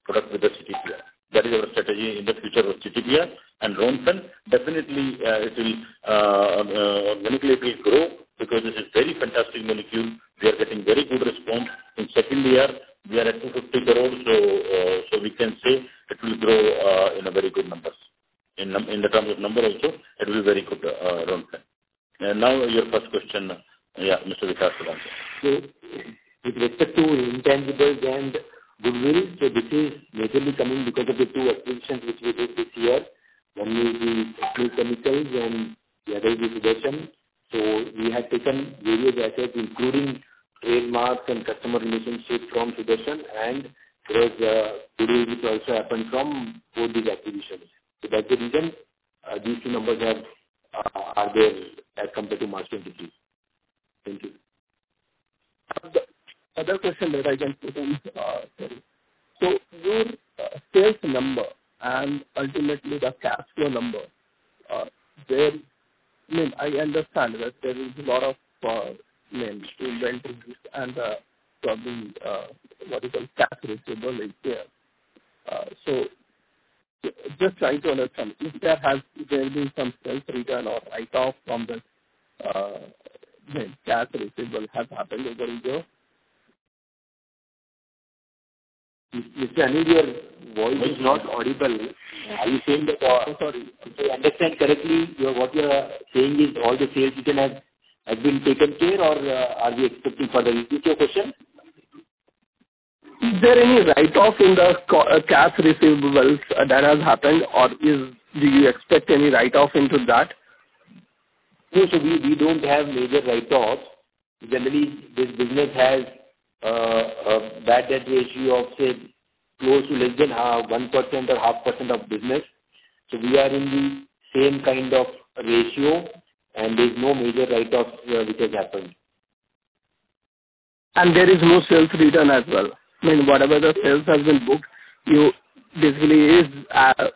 product with the CTPR. That is our strategy in the future of CTPR. And Ronfen, definitely, it will grow because this is very fantastic molecule. We are getting very good response. In second year, we are at 250 crores, so we can say it will grow in a very good numbers. In terms of number also, it will be very good, Ronfen. Now, your first question. Yeah, Mr. Vikas Jain. So with respect to intangibles and goodwill, so this is majorly coming because of the two acquisitions which we did this year. One is Kashmir Chemicals and the other is Sudarshan. So we have taken various assets, including trademarks and customer relationships from Sudarshan, and there's goodwill which also happened from both these acquisitions. So that's the reason these two numbers are, are, are there as compared to March 2023. Thank you. Other question that I can put in, sorry. So your sales number and ultimately the cash flow number, there, I mean, I understand that there is a lot of increase in inventories and probably what you call receivables is there. So just trying to understand, if there has been some sales return or write-off from the receivables has happened over here? Mr. Anil, your voice is not audible. Are you saying that? Oh, sorry. If I understand correctly, what you are saying is all the sales return has been taken care, or are we expecting further? Is this your question? Is there any write-off in the cash receivables that has happened, or do you expect any write-off into that? No, so we, we don't have major write-offs. Generally, this business has a bad debt ratio of, say, close to less than 1% or 0.5% of business. So we are in the same kind of ratio, and there's no major write-off, which has happened. There is no sales return as well? I mean, whatever the sales has been booked, you basically is,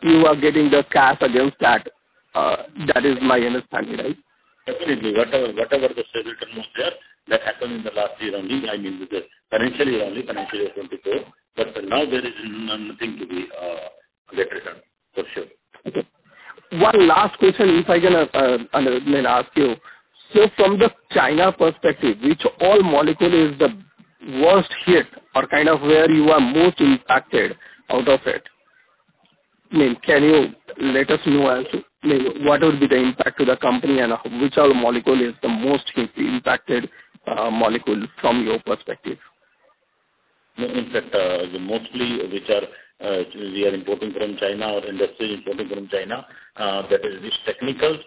you are getting the cash against that. That is my understanding, right? Definitely. Whatever the sales return was there, that happened in the last year only, I mean with the financial year only, financial year 2024. But for now, there is nothing to be get return, for sure. Okay. One last question, if I can, may ask you. So from the China perspective, which all molecule is the worst hit or kind of where you are most impacted out of it? I mean, can you let us know as to, I mean, what would be the impact to the company and which all molecule is the most hit, impacted, molecule from your perspective? No, in fact, mostly which are, we are importing from China or industry importing from China, that is this technical,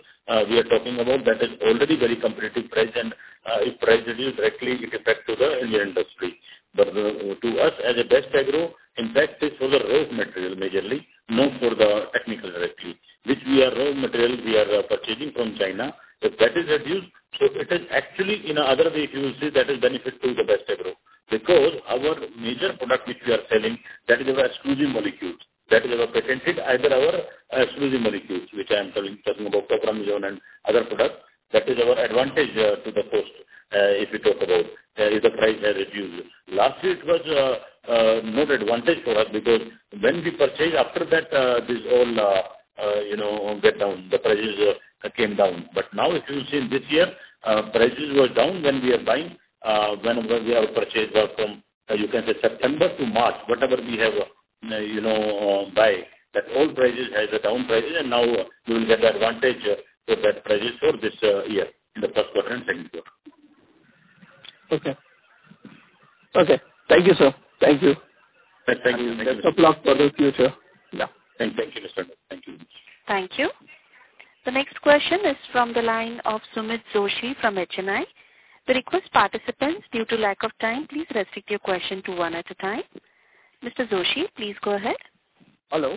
we are talking about, that is already very competitive price and, if price reduce directly, it affect to the Indian industry. But the, to us, as a Best Agrolife, impact is for the raw material majorly, not for the technical directly. Which we are raw material, we are purchasing from China. If that is reduced, so it is actually in another way, if you will see, that is benefit to the Best Agrolife. Because our major product which we are selling, that is our exclusive molecules. That is our patented, either our exclusive molecules, which I am telling, talking about Tolfenpyrad and other products, that is our advantage, to the cost, if you talk about, if the price has reduced. Lastly, it was more advantage for us, because when we purchase, after that, this all, you know, get down, the prices came down. But now, if you see in this year, prices was down when we are buying, whenever we have purchased from, you can say, September to March. Whatever we have, you know, buy, that old prices has a down prices, and now we will get the advantage with that prices for this year, in the first quarter and second quarter. Okay. Okay. Thank you, sir. Thank you. Thank you. Good luck for the future. Yeah. Thank you, Mr. Anil. Thank you. Thank you. The next question is from the line of Sumit Joshi from HNI. We request participants, due to lack of time, please restrict your question to one at a time. Mr. Joshi, please go ahead. Hello.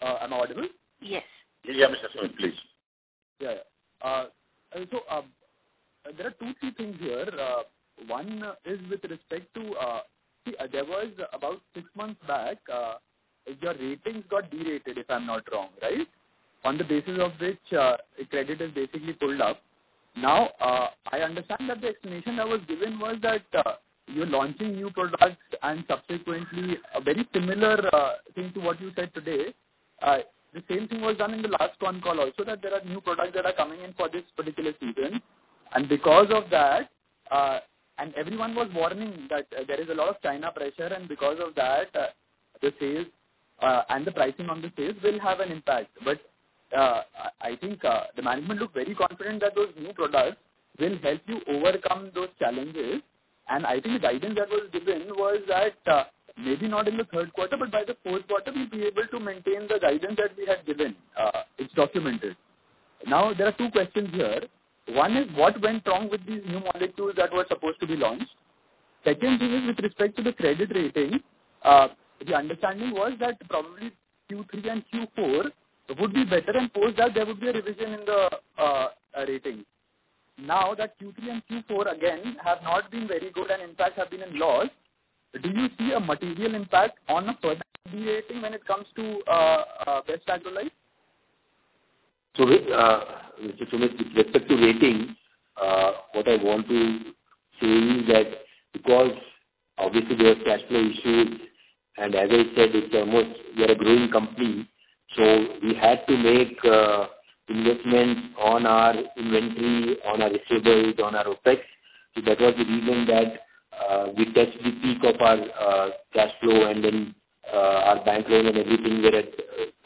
Am I audible? Yes. Yeah, Mr. Sumit, please. Yeah. So, there are two, three things here. One is with respect to, see, there was about six months back, your ratings got derated, if I'm not wrong, right? On the basis of which, the credit is basically pulled up. Now, I understand that the explanation that was given was that, you're launching new products, and subsequently, a very similar thing to what you said today, the same thing was done in the last one call also, that there are new products that are coming in for this particular season. And because of that, and everyone was warning that there is a lot of China pressure, and because of that, the sales, and the pricing on the sales will have an impact. But, I think, the management looked very confident that those new products will help you overcome those challenges. I think the guidance that was given was that, maybe not in the third quarter, but by the fourth quarter, we'll be able to maintain the guidance that we had given. It's documented. Now, there are two questions here. One is, what went wrong with these new molecules that were supposed to be launched? Second thing is with respect to the credit rating, the understanding was that probably Q3 and Q4 would be better, and post that there would be a revision in the rating. Now that Q3 and Q4 again have not been very good and in fact have been in loss, do you see a material impact on the further derating when it comes to Best Agrolife?... So, Mr. Sumit, with respect to ratings, what I want to say is that because obviously there are cash flow issues, and as I said, it's almost we are a growing company, so we had to make investments on our inventory, on our receivables, on our OpEx. So that was the reason that we touched the peak of our cash flow and then our bank loan and everything were at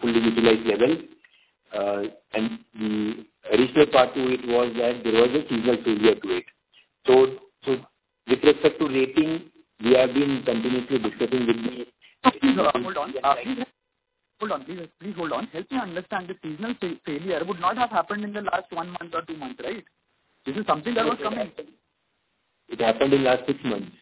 fully utilized level. And the initial part to it was that there was a seasonal failure to it. So with respect to rating, we have been continuously discussing with the- Hold on. Please hold on. Please, please hold on. Help me understand, the seasonal failure would not have happened in the last one month or two months, right? This is something that was coming- It happened in last six months.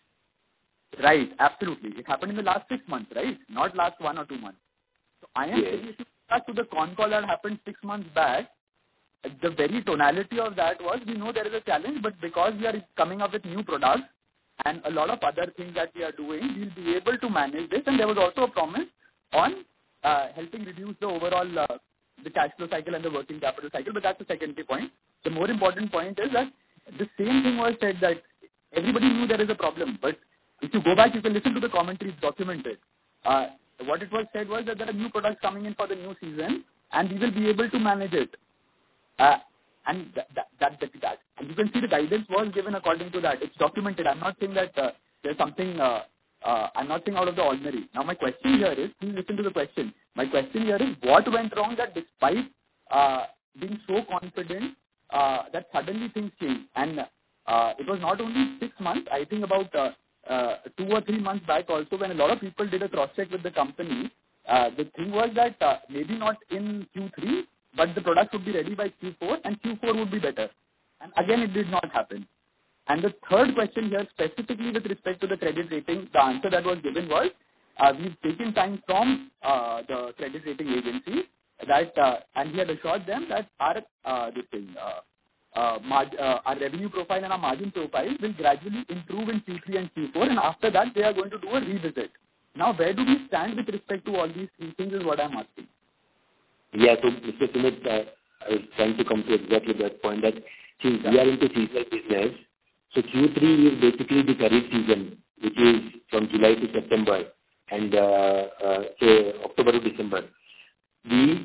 Right. Absolutely. It happened in the last six months, right? Not last one or two months. Yes. So I am saying if you refer to the con call that happened six months back, the very tonality of that was: we know there is a challenge, but because we are coming up with new products and a lot of other things that we are doing, we'll be able to manage this. And there was also a promise on, helping reduce the overall, the cash flow cycle and the working capital cycle, but that's a secondary point. The more important point is that the same thing was said, that everybody knew there is a problem, but if you go back, you can listen to the commentary, it's documented. What it was said was that there are new products coming in for the new season, and we will be able to manage it. And you can see the guidance was given according to that. It's documented. I'm not saying that, there's something, I'm not saying out of the ordinary. Now, my question here is... Please listen to the question. My question here is, what went wrong that despite being so confident that suddenly things changed? And it was not only six months, I think about two or three months back also, when a lot of people did a cross-check with the company, the thing was that maybe not in Q3, but the product would be ready by Q4, and Q4 would be better. And again, it did not happen. And the third question here, specifically with respect to the credit rating, the answer that was given was, we've taken time from the credit rating agency, that and we have assured them that our revenue profile and our margin profile will gradually improve in Q3 and Q4, and after that, we are going to do a revisit. Now, where do we stand with respect to all these three things, is what I'm asking? Yeah. So Mr. Sumit, I was trying to come to exactly that point, that, see, we are into seasonal business. So Q3 is basically the Kharif season, which is from July to September and, say October to December. We,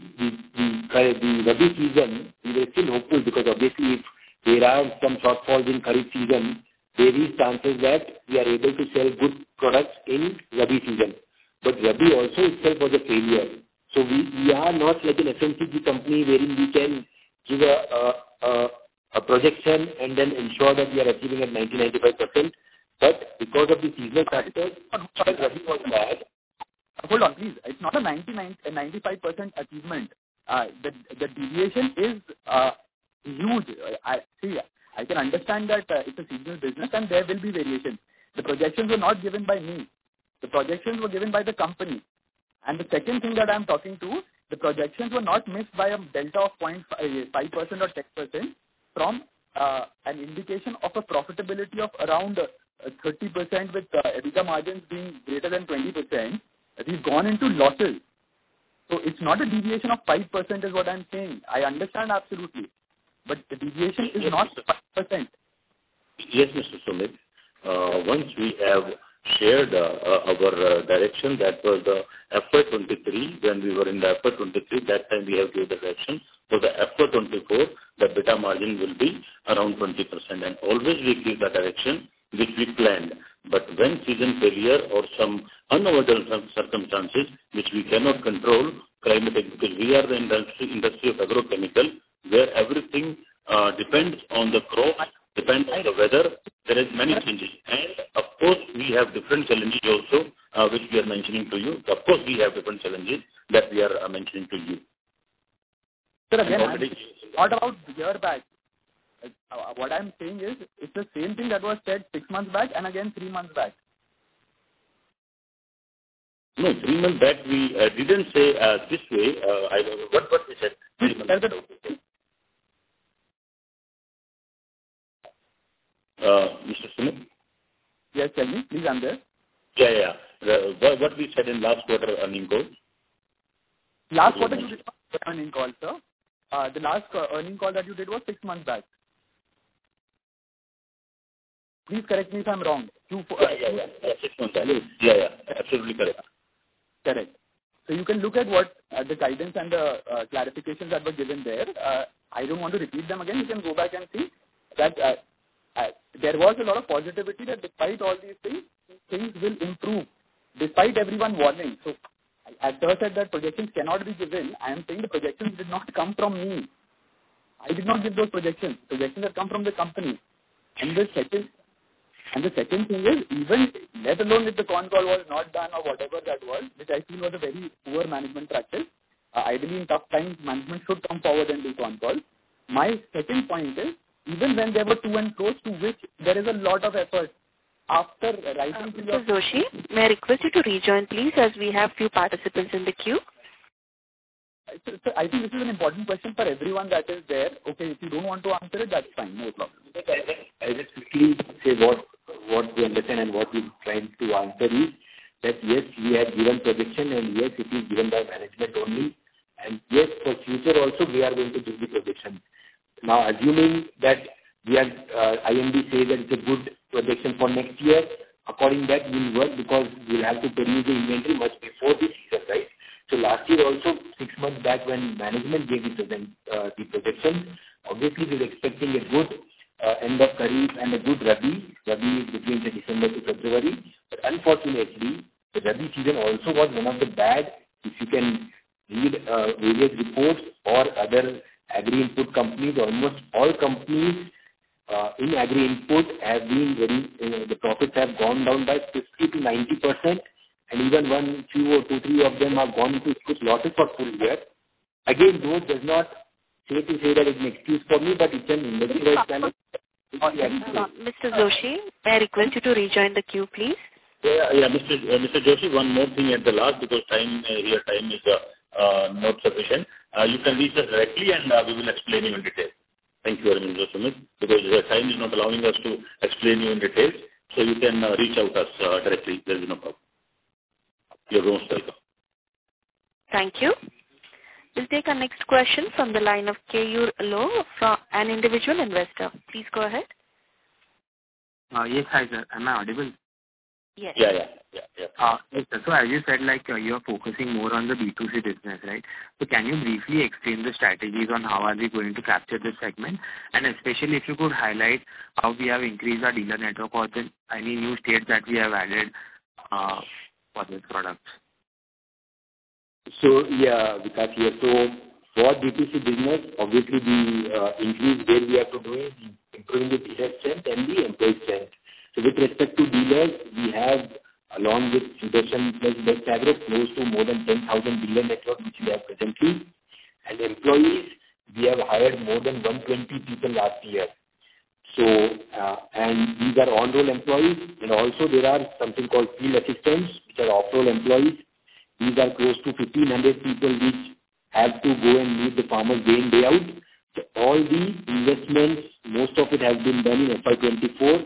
the Rabi season, we were still hopeful because obviously if there are some shortfalls in Kharif season, there is chances that we are able to sell good products in Rabi season. But Rabi also itself was a failure. So we are not like an FMCG company wherein we can give a projection and then ensure that we are achieving at 90%-95%. But because of the seasonal factors, Rabi was bad. Hold on, please. It's not a 99%, a 95% achievement. The deviation is huge. See, I can understand that it's a seasonal business and there will be variations. The projections were not given by me. The projections were given by the company. And the second thing that I'm talking to, the projections were not missed by a delta of point five percent or 10% from an indication of a profitability of around 30% with EBITDA margins being greater than 20%, we've gone into losses. So it's not a deviation of 5% is what I'm saying. I understand, absolutely, but the deviation is not 5%. Yes, Mr. Sumit. Once we have shared our direction, that was FY 2023, when we were in the FY 2023, that time we have gave the direction. So the FY 2024, the EBITDA margin will be around 20%, and always we give the direction which we planned. But when season failure or some unavoidable circumstances, which we cannot control, climate, because we are the industry, industry of agrochemical, where everything depends on the crop, depends on the weather, there is many changes. And of course, we have different challenges also, which we are mentioning to you. Of course, we have different challenges that we are mentioning to you. Sir, again, what about a year back? What I'm saying is, it's the same thing that was said six months back and again three months back. No, three months back, we didn't say this way. I don't know what, what we said three months back? Please tell me. Mr. Sumit? Yes, tell me. Please, I'm there. Yeah, yeah. What, what we said in last quarter's earnings call? Last quarter you did not have an earnings call, sir. The last earnings call that you did was six months back. Please correct me if I'm wrong. Two for- Yeah, yeah, yeah. Six months back. Yeah, yeah, absolutely correct. Correct. So you can look at what, the guidance and the, clarifications that were given there. I don't want to repeat them again. You can go back and see that, there was a lot of positivity that despite all these things, things will improve, despite everyone warning. So as sir said, that projections cannot be given, I am saying the projections did not come from me. I did not give those projections. Projections have come from the company. And the second, and the second thing is, even let alone if the con call was not done or whatever that was, which I think was a very poor management practice, I believe in tough times, management should come forward and do con call. My second point is, even when there were to and fro's to which there is a lot of effort after writing to the- Mr. Joshi, may I request you to rejoin, please, as we have few participants in the queue? Sir, sir, I think this is an important question for everyone that is there. Okay, if you don't want to answer it, that's fine. No problem. I just quickly say what we understand and what we're trying to answer is, that yes, we have given prediction, and yes, it is given by management only, and yes, for future also, we are going to give the prediction. Now, assuming that we are, IMD say that it's a good prediction for next year, according that will work because we'll have to produce the inventory much before the season, right? So last year, also, six months back when management gave the present, the projection, obviously we were expecting a good, end of Kharif and a good Rabi. Rabi is between December to February. But unfortunately, the Rabi season also was one of the bad. If you can read various reports or other agri input companies, almost all companies in agri input have been very, the profits have gone down by 60%-90%, and even one, two or two, three of them have gone into huge losses for full year. Again, though, does not safely say that it's an excuse for me, but it's an industry-wide trend. Mr. Joshi, I request you to rejoin the queue, please. Yeah, yeah, yeah, Mr. Joshi, one more thing at the last, because time, your time is not sufficient. You can reach us directly, and we will explain you in detail. Thank you very much, Sumit, because the time is not allowing us to explain you in detail, so you can reach out to us directly. There is no problem. You're most welcome. Thank you. We'll take our next question from the line of Keyur, from an individual investor. Please go ahead. Yes. Hi, sir. Am I audible? Yes. Yeah, yeah, yeah, yeah. So as you said, like, you are focusing more on the B2C business, right? So can you briefly explain the strategies on how are we going to capture this segment? And especially if you could highlight how we have increased our dealer network or then any new states that we have added, for this product. So yeah, Vikas here. So for B2C business, obviously the increase where we are doing, improving the dealer strength and the employee strength. So with respect to dealers, we have, along with Sudarshan, plus Best Agro, close to more than 10,000 dealer network, which we have presently. And employees, we have hired more than 120 people last year. So, and these are on-roll employees, and also there are something called field assistants, which are off-roll employees. These are close to 1,500 people, which have to go and meet the farmers day in, day out. So all the investments, most of it has been done in FY 2024,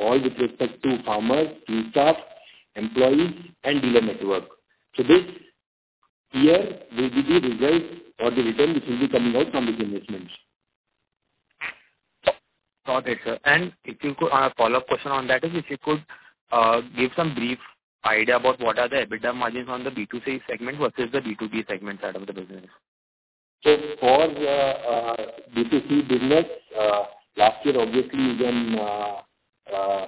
all with respect to farmers, field staff, employees, and dealer network. So this year will be the results or the return, which will be coming out from the investments. Got it, sir. If you could, a follow-up question on that is, if you could, give some brief idea about what are the EBITDA margins on the B2C segment versus the B2B segment side of the business. So for the B2C business, last year, obviously was a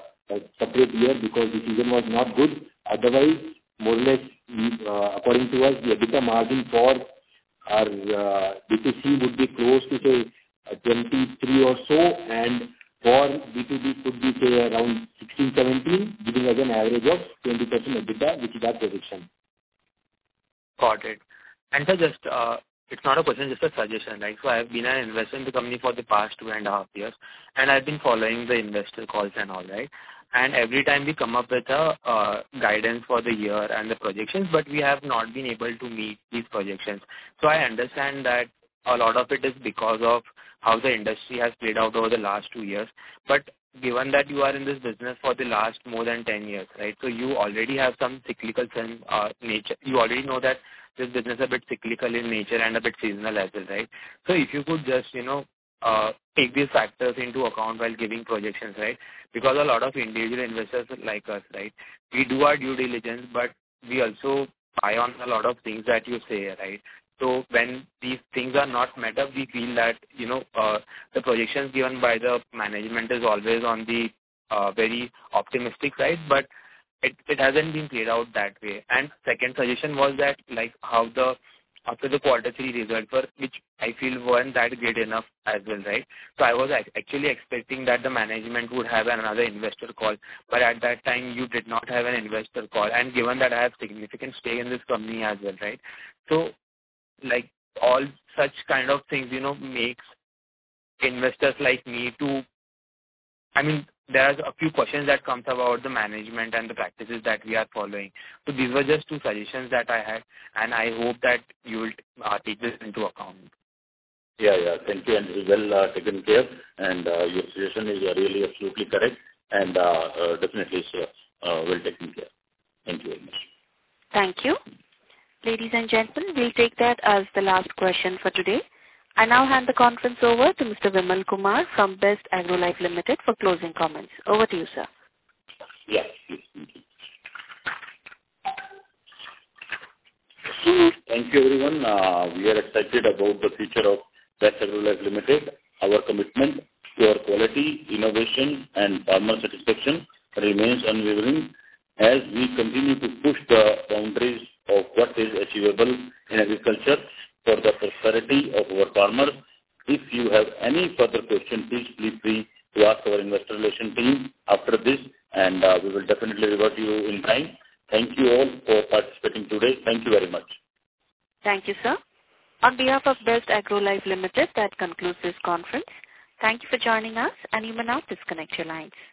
separate year because the season was not good. Otherwise, more or less, we, according to us, the EBITDA margin for our B2C would be close to, say, 23 or so, and for B2B could be, say, around 16-17, giving us an average of 20% EBITDA, which is our prediction. Got it. So just, it's not a question, just a suggestion, right? I've been an investor in the company for the past two and a half years, and I've been following the investor calls and all, right? Every time we come up with a guidance for the year and the projections, but we have not been able to meet these projections. So I understand that a lot of it is because of how the industry has played out over the last two years. But given that you are in this business for the last more than 10 years, right, so you already have some cyclical trend nature. You already know that this business is a bit cyclical in nature and a bit seasonal as well, right? So if you could just, you know, take these factors into account while giving projections, right? Because a lot of individual investors like us, right, we do our due diligence, but we also buy on a lot of things that you say, right? So when these things are not met up, we feel that, you know, the projections given by the management is always on the, very optimistic side, but it, it hasn't been played out that way. And second suggestion was that, like, how the, after the quarter three results were, which I feel weren't that great enough as well, right? So I was actually expecting that the management would have another investor call, but at that time, you did not have an investor call. And given that I have significant stay in this company as well, right? So, like, all such kind of things, you know, makes investors like me to... I mean, there are a few questions that comes about the management and the practices that we are following. So these were just two suggestions that I had, and I hope that you will take this into account. Yeah, yeah. Thank you, and well, taken care. And, your suggestion is really absolutely correct, and, definitely, sir, we'll taken care. Thank you very much. Thank you. Ladies and gentlemen, we'll take that as the last question for today. I now hand the conference over to Mr. Vimal Kumar from Best Agrolife Limited for closing comments. Over to you, sir. Yes. Thank you, everyone. We are excited about the future of Best Agrolife Limited. Our commitment to our quality, innovation, and farmer satisfaction remains unwavering as we continue to push the boundaries of what is achievable in agriculture for the prosperity of our farmers. If you have any further questions, please feel free to ask our investor relation team after this, and, we will definitely revert you in time. Thank you all for participating today. Thank you very much. Thank you, sir. On behalf of Best Agrolife Limited, that concludes this conference. Thank you for joining us, and you may now disconnect your lines.